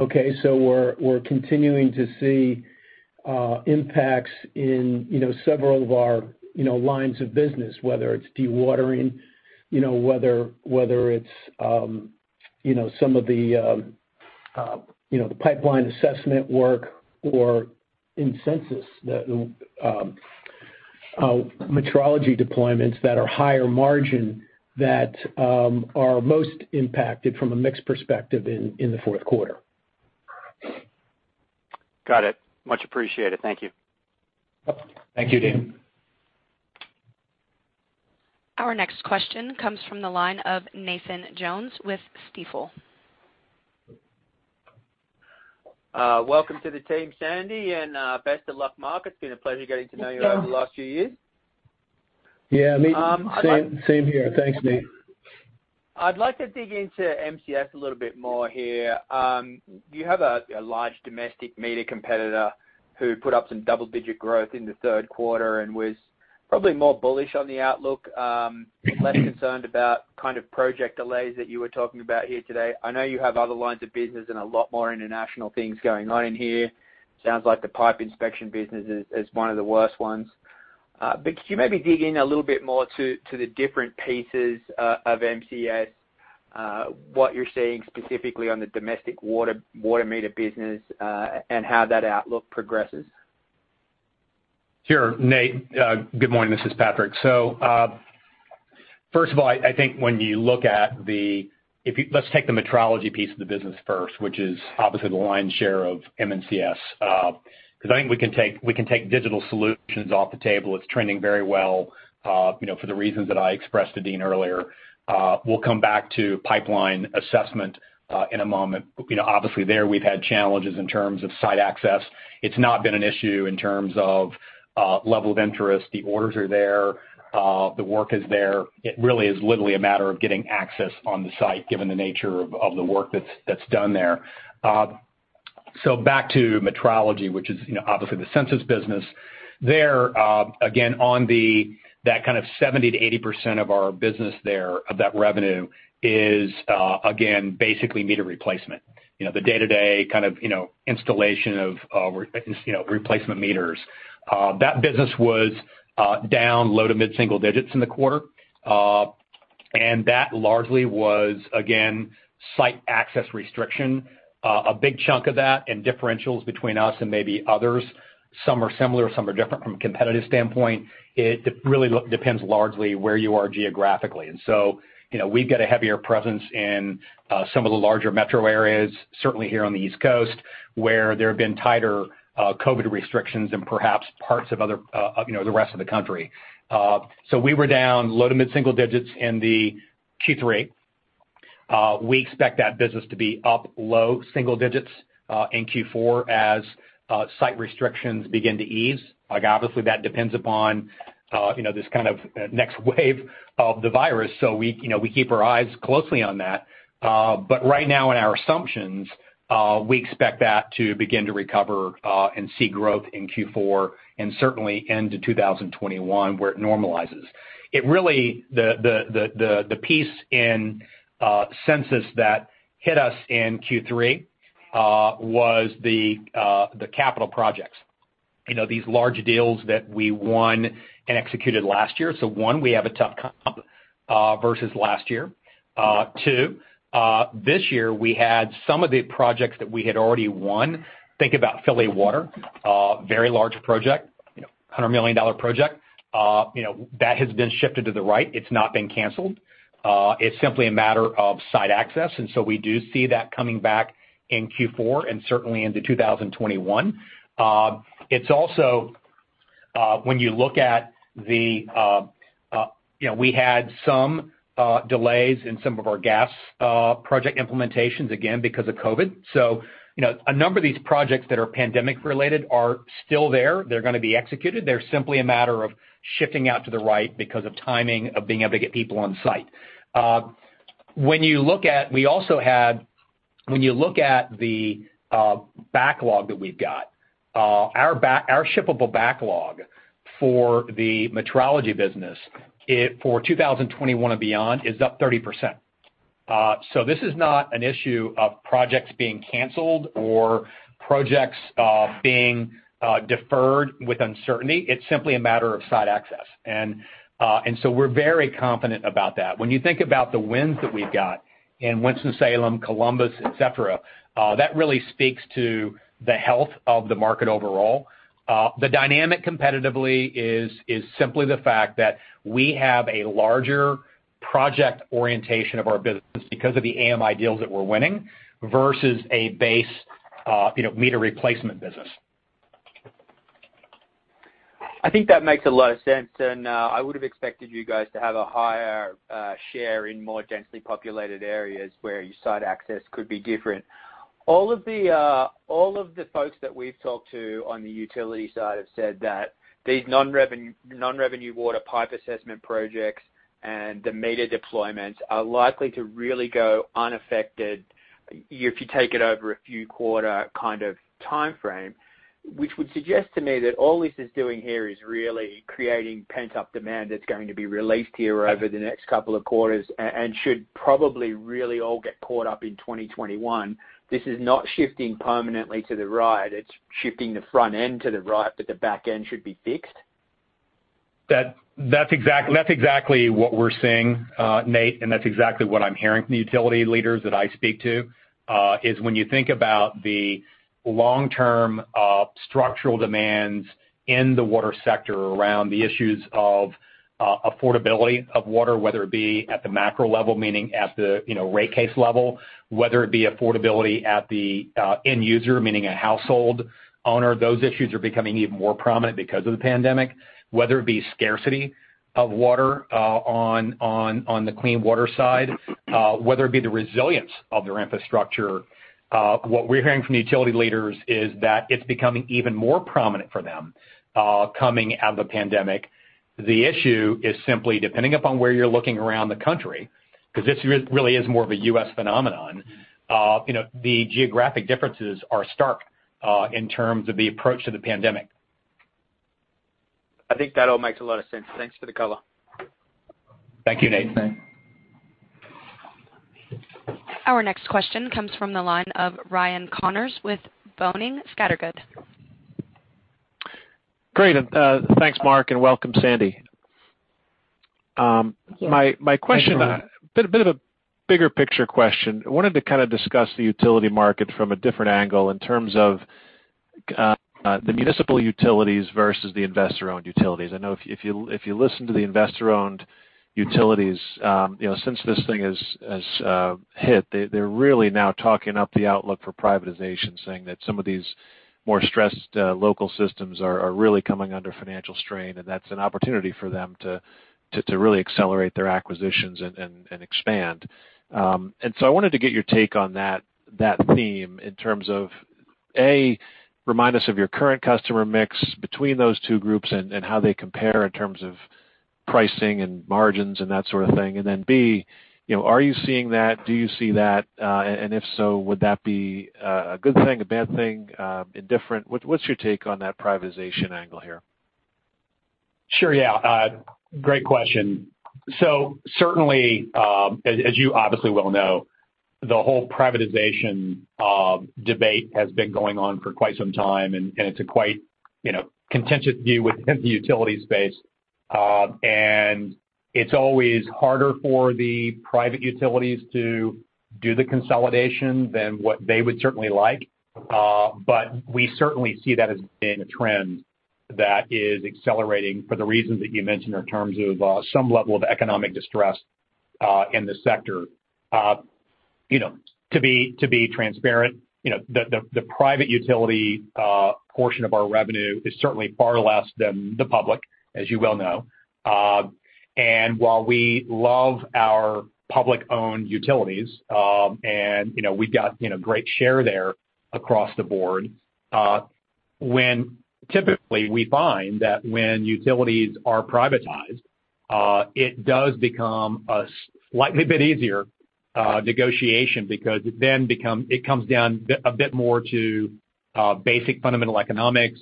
Okay? We're continuing to see impacts in several of our lines of business, whether it's dewatering, whether it's some of the pipeline assessment work or in Sensus, the metrology deployments that are higher margin that are most impacted from a mix perspective in the fourth quarter. Got it. Much appreciated. Thank you. Thank you, Deane. Our next question comes from the line of Nathan Jones with Stifel. Welcome to the team, Sandy, and best of luck, Mark. It's been a pleasure getting to know you over the last few years. Yeah, Nathan. Same here. Thanks, Nathan. I'd like to dig into MCS a little bit more here. You have a large domestic meter competitor who put up some double-digit growth in the third quarter and was probably more bullish on the outlook, less concerned about project delays that you were talking about here today. I know you have other lines of business and a lot more international things going on in here. Sounds like the pipe inspection business is one of the worst ones. Could you maybe dig in a little bit more to the different pieces of MCS, what you're seeing specifically on the domestic water meter business, and how that outlook progresses? Sure, Nathan. Good morning, this is Patrick. First of all, let's take the metrology piece of the business first, which is obviously the lion's share of MCS. Because I think we can take digital solutions off the table. It's trending very well, for the reasons that I expressed to Deane earlier. We'll come back to pipeline assessment in a moment. Obviously there we've had challenges in terms of site access. It's not been an issue in terms of level of interest. The orders are there. The work is there. It really is literally a matter of getting access on the site, given the nature of the work that's done there. Back to metrology, which is obviously the Sensus business. There, again, on that kind of 70%-80% of our business there, of that revenue, is again, basically meter replacement. The day-to-day kind of installation of replacement meters. That business was down low to mid-single digits in the quarter. That largely was, again, site access restriction. A big chunk of that and differentials between us and maybe others; some are similar, some are different from a competitive standpoint. It really depends largely where you are geographically. We've got a heavier presence in some of the larger metro areas, certainly here on the East Coast, where there have been tighter COVID restrictions than perhaps parts of the rest of the country. We were down low to mid-single digits in the Q3. We expect that business to be up low single digits in Q4 as site restrictions begin to ease. Obviously, that depends upon this kind of next wave of the virus, so we keep our eyes closely on that. Right now in our assumptions, we expect that to begin to recover and see growth in Q4, and certainly into 2021, where it normalizes. The piece in Sensus that hit us in Q3 was the capital projects. These large deals that we won and executed last year. One. We have a tough comp versus last year. Two, this year, we had some of the projects that we had already won. Think about Philly Water Department, very large project, a $100 million project. That has been shifted to the right. It's not been canceled. It's simply a matter of site access, and so we do see that coming back in Q4 and certainly into 2021. It's also when you look at, we had some delays in some of our gas project implementations, again, because of COVID-19. A number of these projects that are pandemic-related are still there. They're going to be executed. They're simply a matter of shifting out to the right because of timing, of being able to get people on site. When you look at the backlog that we've got, our shippable backlog for the metrology business for 2021 and beyond is up 30%. This is not an issue of projects being canceled or projects being deferred with uncertainty. It's simply a matter of site access. We're very confident about that. When you think about the wins that we've got in Winston-Salem, Columbus, et cetera, that really speaks to the health of the market overall. The dynamic competitively is simply the fact that we have a larger project orientation of our business because of the AMI deals that we're winning versus a base meter replacement business. I think that makes a lot of sense. I would have expected you guys to have a higher share in more densely populated areas where your site access could be different. All of the folks that we've talked to on the utility side have said that these non-revenue water pipe assessment projects and the meter deployments are likely to really go unaffected if you take it over a few-quarter kind of timeframe. Which would suggest to me that all this is doing here is really creating pent-up demand that's going to be released here over the next couple of quarters and should probably really all get caught up in 2021. This is not shifting permanently to the right. It's shifting the front end to the right, but the back end should be fixed? That's exactly what we're seeing, Nathan, and that's exactly what I'm hearing from the utility leaders that I speak to, is when you think about the long-term structural demands in the water sector around the issues of affordability of water, whether it be at the macro level, meaning at the rate case level. Whether it be affordability at the end user, meaning a household owner. Those issues are becoming even more prominent because of the pandemic. Whether it be scarcity of water on the clean water side. Whether it be the resilience of their infrastructure. What we're hearing from the utility leaders is that it's becoming even more prominent for them, coming out of the pandemic. The issue is simply depending upon where you're looking around the country, because this really is more of a U.S. phenomenon. The geographic differences are stark in terms of the approach to the pandemic. I think that all makes a lot of sense. Thanks for the color. Thank you, Nathan. Our next question comes from the line of Ryan Connors with Boenning & Scattergood. Great. Thanks, Mark, and welcome, Sandy. Yes. My question— Thanks, Ryan A bit of a bigger picture question. I wanted to discuss the utility market from a different angle in terms of the municipal utilities versus the investor-owned utilities. I know if you listen to the investor-owned utilities, since this thing has hit, they're really now talking up the outlook for privatization, saying that some of these more stressed local systems are really coming under financial strain, and that's an opportunity for them to really accelerate their acquisitions and expand. I wanted to get your take on that theme in terms of, A, remind us of your current customer mix between those two groups and how they compare in terms of pricing and margins and that sort of thing. B, are you seeing that? Do you see that? If so, would that be a good thing, a bad thing, indifferent? What's your take on that privatization angle here? Sure. Great question. Certainly, as you obviously well know, the whole privatization debate has been going on for quite some time, and it's a quite contentious view within the utility space. It's always harder for the private utilities to do the consolidation than what they would certainly like. We certainly see that as being a trend that is accelerating for the reasons that you mentioned in terms of some level of economic distress in the sector. To be transparent, the private utility portion of our revenue is certainly far less than the public, as you well know. While we love our public-owned utilities, and we've got great share there across the board, when typically we find that when utilities are privatized, it does become a slightly bit easier negotiation because it then comes down a bit more to basic fundamental economics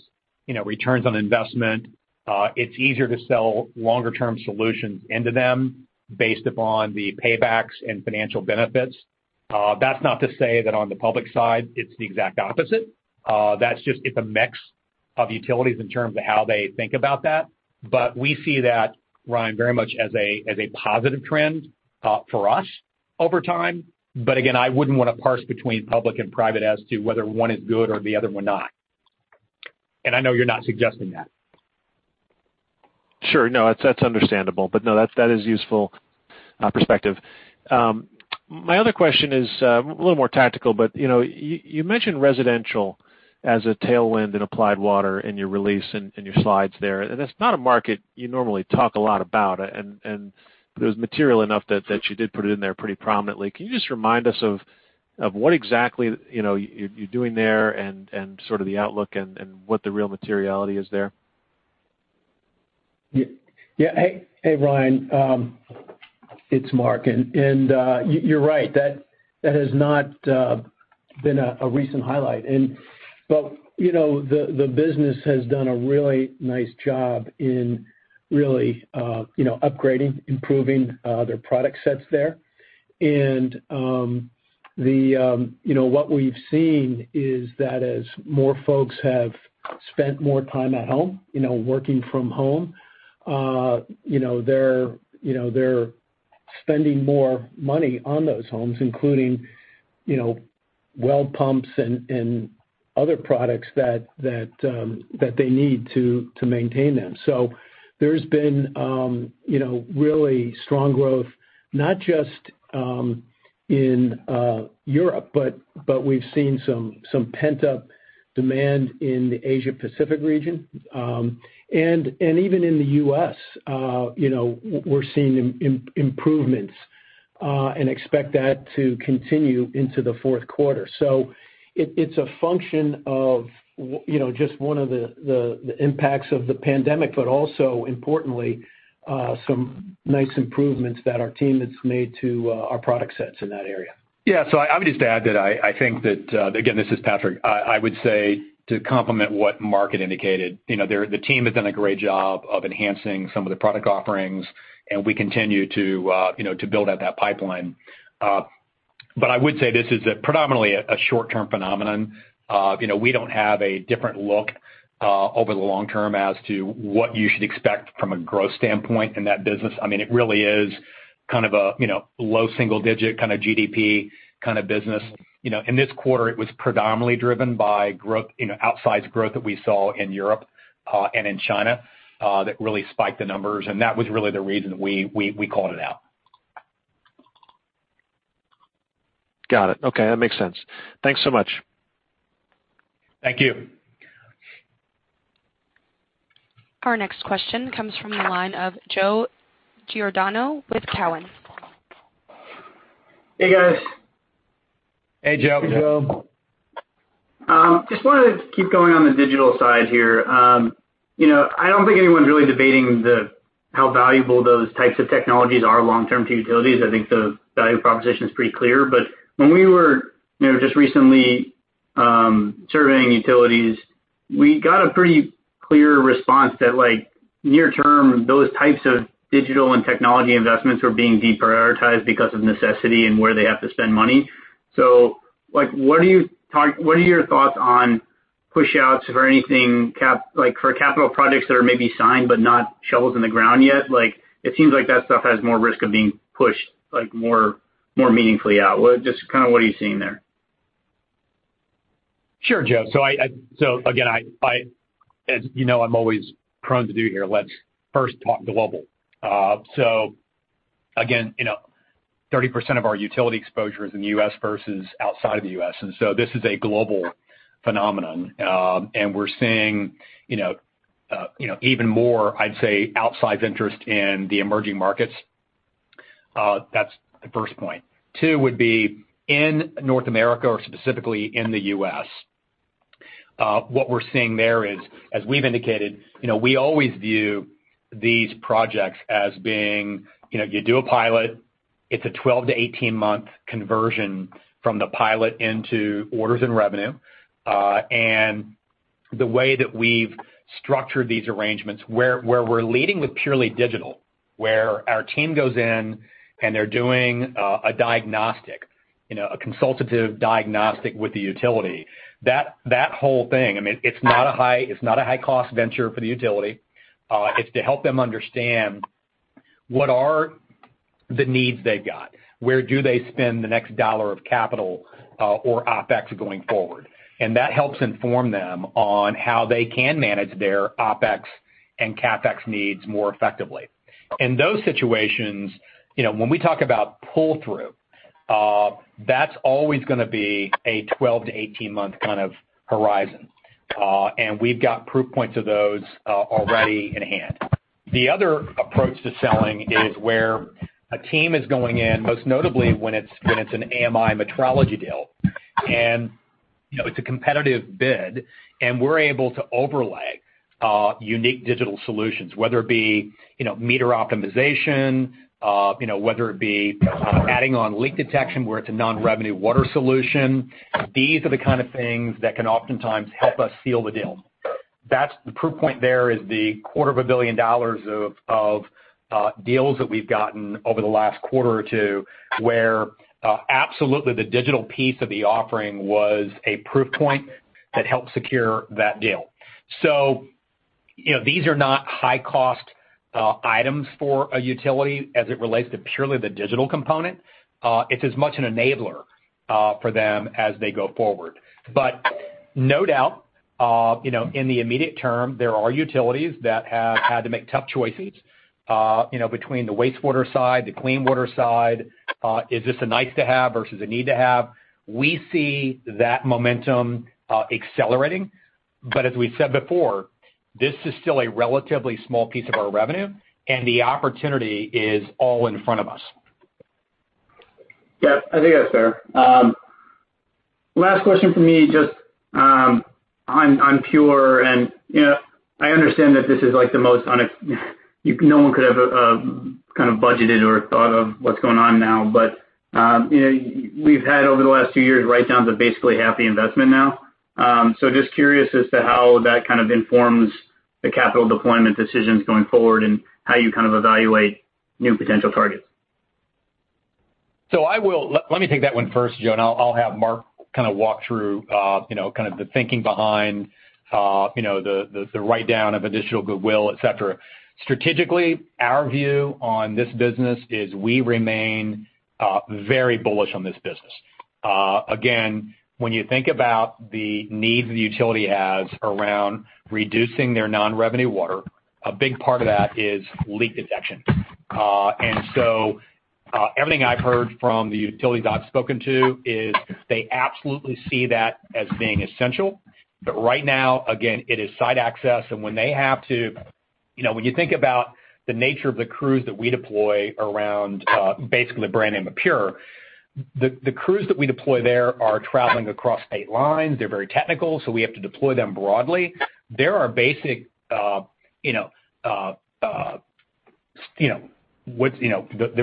and returns on investment. It's easier to sell longer-term solutions into them based upon the paybacks and financial benefits. That's not to say that on the public side, it's the exact opposite. That's just, it's a mix of utilities in terms of how they think about that. We see that, Ryan, very much as a positive trend for us over time. Again, I wouldn't want to parse between public and private as to whether one is good or the other one is not. I know you're not suggesting that. Sure. No, that's understandable. No, that is useful perspective. My other question is a little more tactical. You mentioned residential as a tailwind in Applied Water in your release and in your slides there, and that's not a market you normally talk a lot about, and it was material enough that you did put it in there pretty prominently. Can you just remind us of what exactly you're doing there and sort of the outlook and what the real materiality is there? Hey, Ryan. It's Mark. You're right. That has not been a recent highlight. The business has done a really nice job in really upgrading, improving their product sets there. What we've seen is that as more folks have spent more time at home, working from home, they're spending more money on those homes, including well pumps and other products that they need to maintain them. There's been really strong growth, not just in Europe, but we've seen some pent-up demand in the Asia Pacific region. Even in the U.S. we're seeing improvements and expect that to continue into the fourth quarter. It's a function of just one of the impacts of the pandemic, but also importantly, some nice improvements that our team has made to our product sets in that area. I would just add that I think that, again, this is Patrick. I would say to complement what Mark had indicated, the team has done a great job of enhancing some of the product offerings, and we continue to build out that pipeline. I would say this is predominantly a short-term phenomenon. We don't have a different look over the long term as to what you should expect from a growth standpoint in that business. It really is kind of a low single-digit kind of GDP kind of business. In this quarter, it was predominantly driven by outsized growth that we saw in Europe and in China that really spiked the numbers, and that was really the reason we called it out. Got it. Okay. That makes sense. Thanks so much. Thank you. Our next question comes from the line of Joe Giordano with Cowen. Hey, guys. Hey, Joe. Hey, Joe. Just wanted to keep going on the digital side here. I don't think anyone's really debating how valuable those types of technologies are long-term to utilities. I think the value proposition is pretty clear. When we were just recently surveying utilities, we got a pretty clear response that near term, those types of digital and technology investments were being deprioritized because of necessity and where they have to spend money. What are your thoughts on push-outs for anything, like for capital projects that are maybe signed but not shovels in the ground yet? It seems like that stuff has more risk of being pushed more meaningfully out. Just what are you seeing there? Sure, Joe. Again, as you know, I'm always prone to do here; let's first talk global. Again, 30% of our utility exposure is in the U.S. versus outside of the U.S.; this is a global phenomenon. We're seeing even more, I'd say, outside interest in the emerging markets. That's the first point. Two would be in North America or specifically in the U.S. What we're seeing there is, as we've indicated, we always view these projects as being, you do a pilot, it's a 12- to 18-month conversion from the pilot into orders and revenue. The way that we've structured these arrangements, where we're leading with purely digital, where our team goes in and they're doing a diagnostic, a consultative diagnostic with the utility. That whole thing, it's not a high-cost venture for the utility It's to help them understand what are the needs they've got, where do they spend the next dollar of capital or OpEx going forward. That helps inform them on how they can manage their OpEx and CapEx needs more effectively. In those situations, when we talk about pull-through, that's always going to be a 12-18 month kind of horizon. We've got proof points of those already in hand. The other approach to selling is where a team is going in, most notably when it's an AMI metrology deal, and it's a competitive bid, and we're able to overlay unique digital solutions, whether it be meter optimization, whether it be adding on leak detection where it's a non-revenue water solution. These are the kind of things that can oftentimes help us seal the deal. The proof point there is the quarter of a billion dollars of deals that we've gotten over the last quarter or two where absolutely the digital piece of the offering was a proof point that helped secure that deal. These are not high-cost items for a utility as it relates to purely the digital component. It's as much an enabler for them as they go forward. No doubt, in the immediate term, there are utilities that have had to make tough choices between the wastewater side, the clean water side. Is this a nice-to-have versus a need-to-have? We see that momentum accelerating, but as we said before, this is still a relatively small piece of our revenue, and the opportunity is all in front of us. Yeah. I think that's fair. Last question from me, just on Pure. I understand that this is the most no one could have budgeted or thought of what's going on now, but we've had over the last two years write-downs of basically half the investment now. Just curious as to how that kind of informs the capital deployment decisions going forward and how you evaluate new potential targets. Let me take that one first, Joe, and I'll have Mark walk through the thinking behind the write-down of additional goodwill, et cetera. Strategically, our view on this business is we remain very bullish on this business. Again, when you think about the needs the utility has around reducing their non-revenue water, a big part of that is leak detection. Everything I've heard from the utilities I've spoken to is they absolutely see that as being essential. Right now, again, it is site access, and when you think about the nature of the crews that we deploy around basically the brand name of Pure, the crews that we deploy there are traveling across state lines. They're very technical, so we have to deploy them broadly. There are the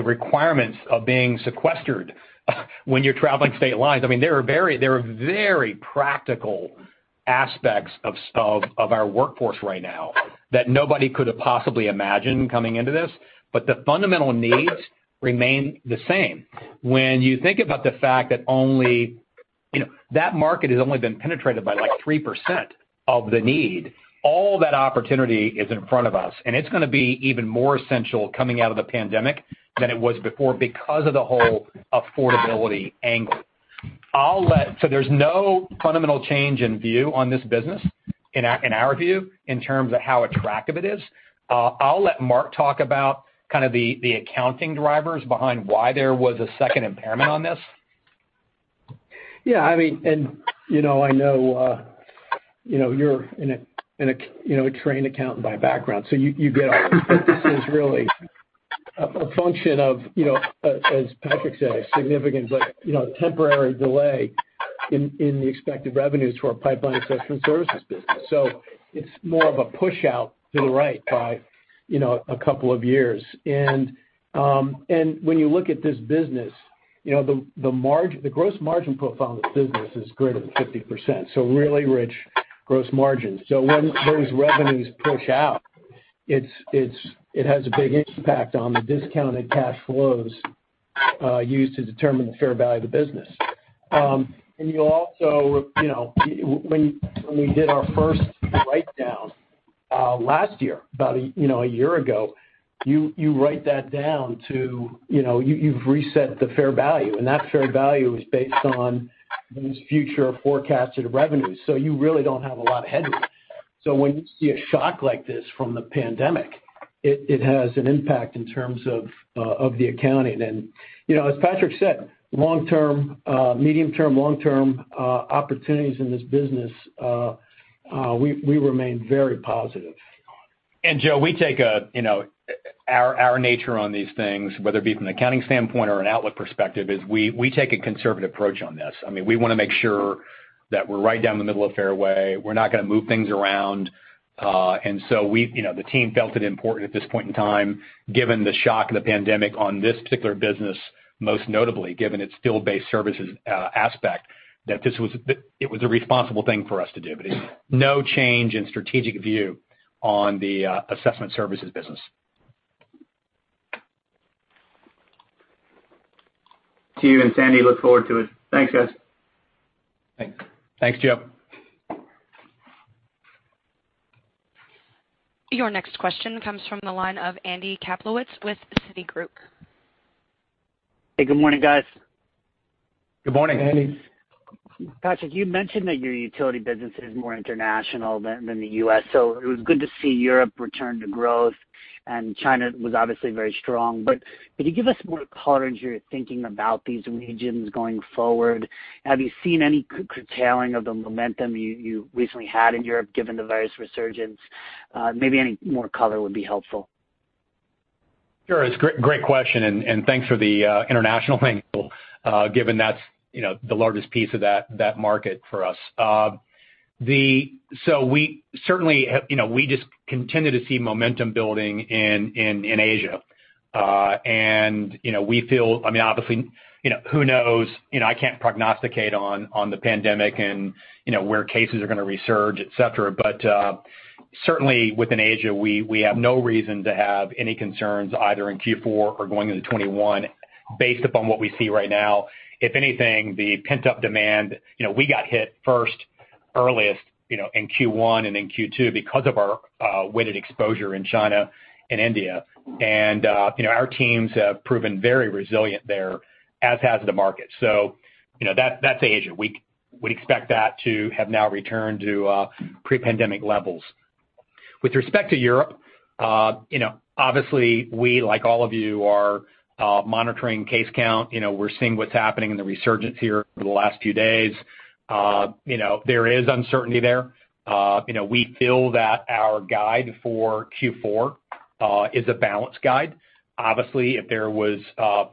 requirements of being sequestered when you're traveling state lines. There are very practical aspects of our workforce right now that nobody could have possibly imagined coming into this. The fundamental needs remain the same. When you think about the fact that that market has only been penetrated by 3% of the need, all that opportunity is in front of us. It's going to be even more essential coming out of the pandemic than it was before because of the whole affordability angle. There's no fundamental change in view on this business, in our view, in terms of how attractive it is. I'll let Mark talk about the accounting drivers behind why there was a second impairment on this. Yeah. I know you're a trained accountant by background, so you get all this. This is really a function of, as Patrick said, a significant temporary delay in the expected revenues to our pipeline assessment services business. It's more of a push out to the right by a couple of years. When you look at this business, the gross margin profile of the business is greater than 50%, so really rich gross margins. When those revenues push out, it has a big impact on the discounted cash flows used to determine the fair value of the business. You'll also, when we did our first write-down last year, about a year ago, you write that down; you've reset the fair value. That fair value is based on these future forecasted revenues. You really don't have a lot of headroom. When you see a shock like this from the pandemic, it has an impact in terms of the accounting. As Patrick said, medium-term and long-term opportunities in this business, we remain very positive. Joe, our nature on these things, whether it be from an accounting standpoint or an outlook perspective, is we take a conservative approach on this. We want to make sure that we're right down the middle of fairway. We're not going to move things around. The team felt it important at this point in time, given the shock of the pandemic on this particular business, most notably given its field-based services aspect, that it was a responsible thing for us to do. No change in strategic view on the assessment services business. To you and Sandy. Look forward to it. Thanks, guys. Thanks. Thanks, Joe. Your next question comes from the line of Andy Kaplowitz with Citigroup. Hey, good morning, guys. Good morning, Andy. Good morning. Patrick, you mentioned that your utility business is more international than the U.S., so it was good to see Europe return to growth, and China was obviously very strong. Could you give us more color into your thinking about these regions going forward? Have you seen any curtailing of the momentum you recently had in Europe, given the virus resurgence? Maybe any more color would be helpful. Sure. It's a great question, and thanks for the international angle. Given that's the largest piece of that market for us, we just continue to see momentum building in Asia. We feel, obviously, who knows? I can't prognosticate on the pandemic and where cases are going to resurge, et cetera. Certainly within Asia, we have no reason to have any concerns either in Q4 or going into 2021 based upon what we see right now. If anything, the pent-up demand, we got hit first earliest in Q1 and in Q2 because of our weighted exposure in China and India. Our teams have proven very resilient there, as has the market. That's Asia. We'd expect that to have now returned to pre-pandemic levels. With respect to Europe, obviously we, like all of you, are monitoring case count. We're seeing what's happening in the resurgence here over the last few days. There is uncertainty there. We feel that our guide for Q4 is a balanced guide. Obviously, if there was a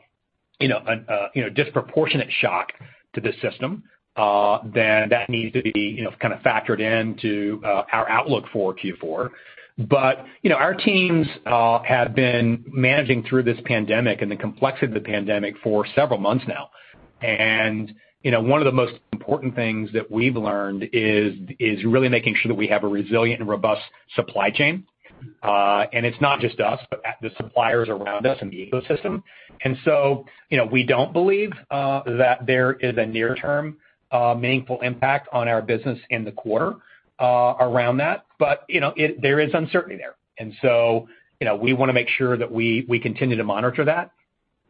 disproportionate shock to the system, that needs to be kind of factored into our outlook for Q4. Our teams have been managing through this pandemic and the complexity of the pandemic for several months now. One of the most important things that we've learned is really making sure that we have a resilient and robust supply chain. It's not just us, but the suppliers around us and the ecosystem. We don't believe that there is a near-term meaningful impact on our business in the quarter around that. There is uncertainty there. We want to make sure that we continue to monitor that.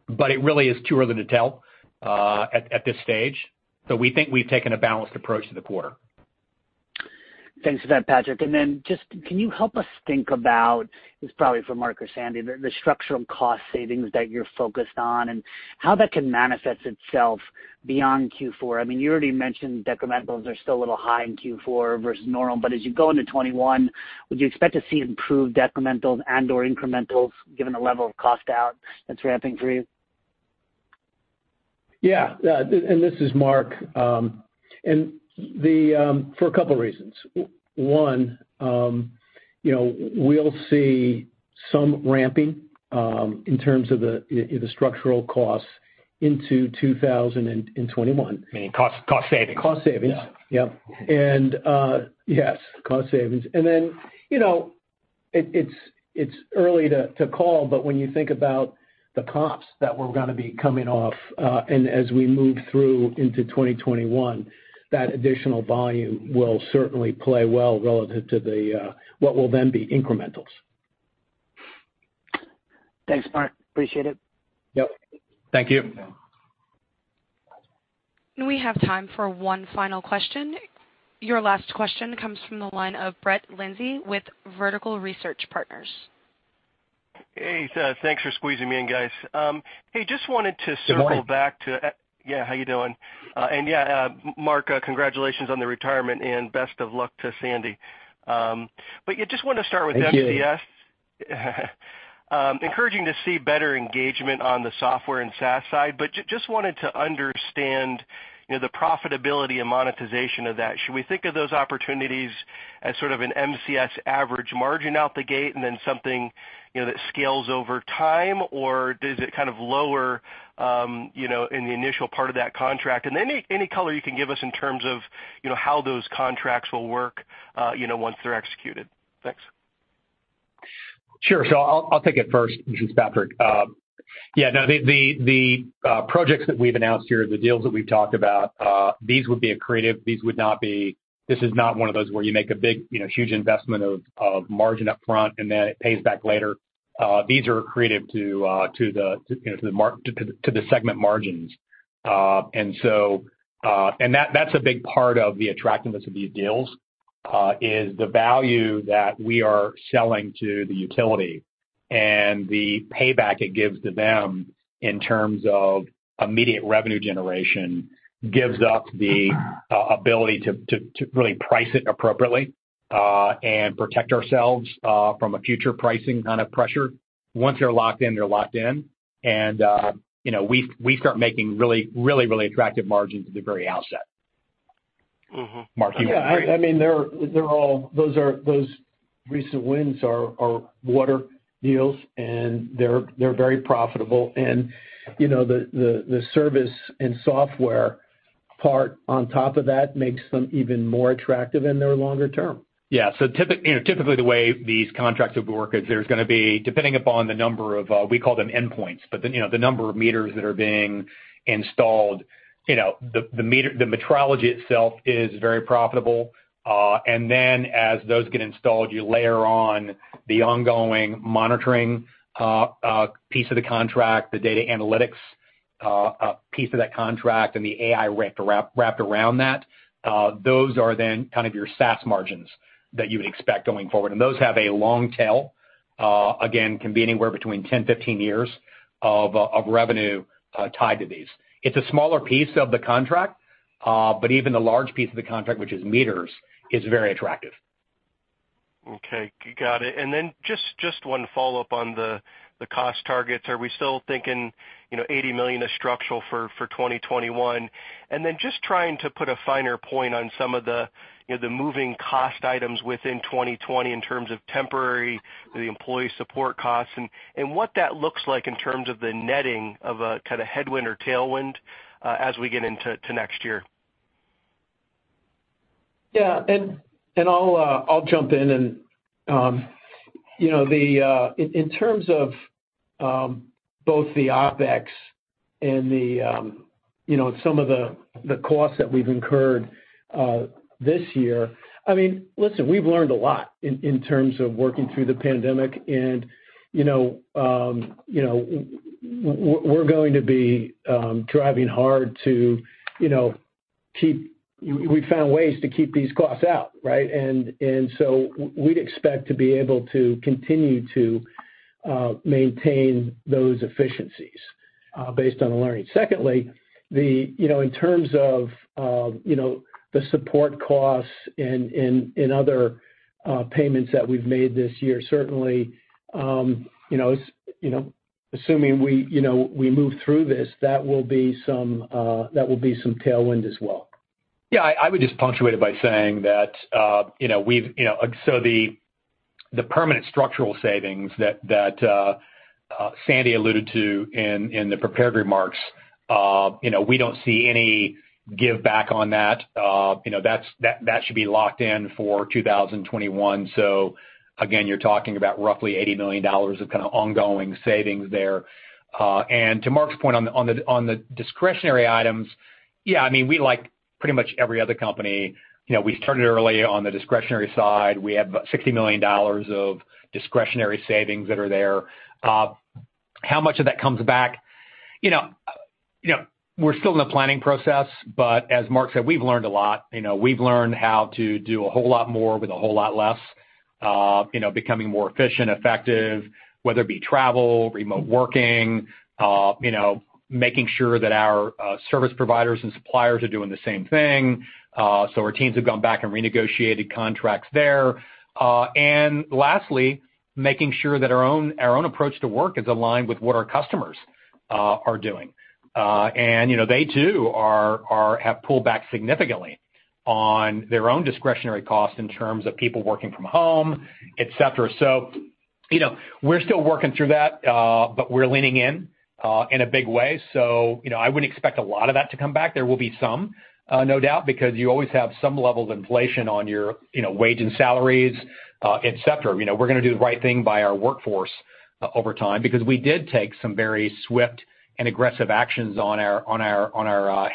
It really is too early to tell at this stage. We think we've taken a balanced approach to the quarter. Thanks for that, Patrick. Just can you help us think about, this is probably for Mark or Sandy, the structural cost savings that you're focused on and how that can manifest itself beyond Q4? You already mentioned decrementals are still a little high in Q4 versus normal, but as you go into 2021, would you expect to see improved decrementals and/or incrementals given the level of cost-out that's ramping for you? Yeah. This is Mark. For a couple reasons. One, we'll see some ramping in terms of the structural costs into 2021. Meaning cost savings. Cost savings. Yeah. Yep. Yes, cost savings. It's early to call, but when you think about the comps that we're going to be coming off and as we move through into 2021, that additional volume will certainly play well relative to what will then be incrementals. Thanks, Mark. Appreciate it. Yes. Thank you. We have time for one final question. Your last question comes from the line of Brett Linzey with Vertical Research Partners. Hey, thanks for squeezing me in, guys. Hey, just wanted to circle back. Good morning. Yeah, how are you doing? Yeah, Mark, congratulations on the retirement and best of luck to Sandy. Yeah, just wanted to start with MCS. Thank you. Encouraging to see better engagement on the software and SaaS side. Just wanted to understand the profitability and monetization of that. Should we think of those opportunities as sort of an MCS average margin out the gate and then something that scales over time, or does it kind of lower in the initial part of that contract? Any color you can give us in terms of how those contracts will work once they're executed. Thanks. Sure. I'll take it first; this is Patrick. Yeah, no, the projects that we've announced here, the deals that we've talked about, these would be accretive. This is not one of those where you make a big, huge investment of margin up front and then it pays back later. These are accretive to the segment margins. That's a big part of the attractiveness of these deals, is the value that we are selling to the utility. The payback it gives to them in terms of immediate revenue generation gives us the ability to really price it appropriately and protect ourselves from a future pricing kind of pressure. Once they're locked in, they're locked in. We start making really attractive margins at the very outset. Mark, you want to— Yeah, those recent wins are water deals, and they're very profitable. The service and software part on top of that makes them even more attractive, and they're longer-term. Yeah. Typically, the way these contracts will work is there's going to be, depending upon the number of, we call them endpoints, but the number of meters that are being installed. The metrology itself is very profitable. As those get installed, you layer on the ongoing monitoring piece of the contract, the data analytics piece of that contract, and the AI wrapped around that. Those are then kind of your SaaS margins that you would expect going forward. Those have a long tail. Again, can be anywhere between 10, 15 years of revenue tied to these. It's a smaller piece of the contract, but even the large piece of the contract, which is meters, is very attractive. Okay. Got it. Just one follow-up on the cost targets. Are we still thinking $80 million is structural for 2021? Just trying to put a finer point on some of the moving cost items within 2020 in terms of temporary, the employee support costs and what that looks like in terms of the netting of a kind of headwind or tailwind as we get into next year. Yeah. I'll jump in, and in terms of both the OpEx and some of the costs that we've incurred this year, listen, we've learned a lot in terms of working through the pandemic. We've found ways to keep these costs out, right? We'd expect to be able to continue to maintain those efficiencies based on the learning. Secondly, in terms of the support costs and other payments that we've made this year, certainly, assuming we move through this, that will be some tailwind as well. I would just punctuate it by saying that the permanent structural savings that Sandy alluded to in the prepared remarks, we don't see any giveback on that. That should be locked in for 2021. Again, you're talking about roughly $80 million of kind of ongoing savings there. To Mark's point on the discretionary items, like pretty much every other company, we've turned it early on the discretionary side. We have $60 million of discretionary savings that are there. How much of that comes back? We're still in the planning process, as Mark said, we've learned a lot. We've learned how to do a whole lot more with a whole lot less, becoming more efficient, effective, whether it be travel, remote working, making sure that our service providers and suppliers are doing the same thing. Our teams have gone back and renegotiated contracts there. Lastly, making sure that our own approach to work is aligned with what our customers are doing. They too have pulled back significantly on their own discretionary costs in terms of people working from home, et cetera. We're still working through that, but we're leaning in a big way. I wouldn't expect a lot of that to come back. There will be some, no doubt, because you always have some level of inflation on your wages and salaries, et cetera. We're going to do the right thing by our workforce over time, because we did take some very swift and aggressive actions on our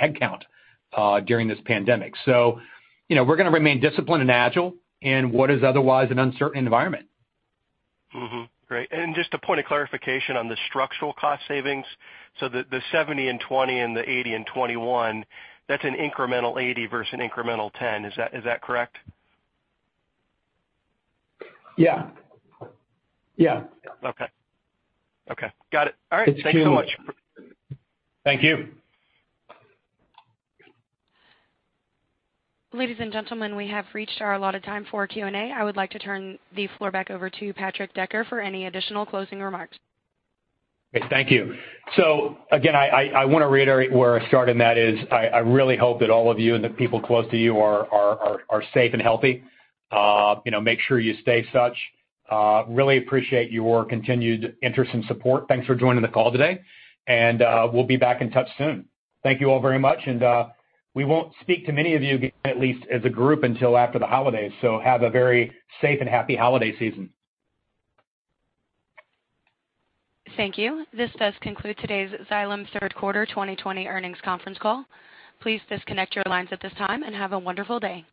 headcount during this pandemic. We're going to remain disciplined and agile in what is otherwise an uncertain environment. Great. Just a point of clarification on the structural cost savings. The $70 in 2020 and the $80 in 2021—that's an incremental $80 versus an incremental $10. Is that correct? Yeah. Yeah. Okay. Got it. All right. Thanks so much. It's cumulative. Thank you. Ladies and gentlemen, we have reached our allotted time for Q&A. I would like to turn the floor back over to Patrick Decker for any additional closing remarks. Great. Thank you. Again, I want to reiterate where I started, and that is, I really hope that all of you and the people close to you are safe and healthy. Make sure you stay such. Really appreciate your continued interest and support. Thanks for joining the call today. We'll be back in touch soon. Thank you all very much. We won't speak to many of you, at least as a group, until after the holidays. Have a very safe and happy holiday season. Thank you. This does conclude today's Xylem Third Quarter 2020 Earnings Conference Call. Please disconnect your lines at this time and have a wonderful day.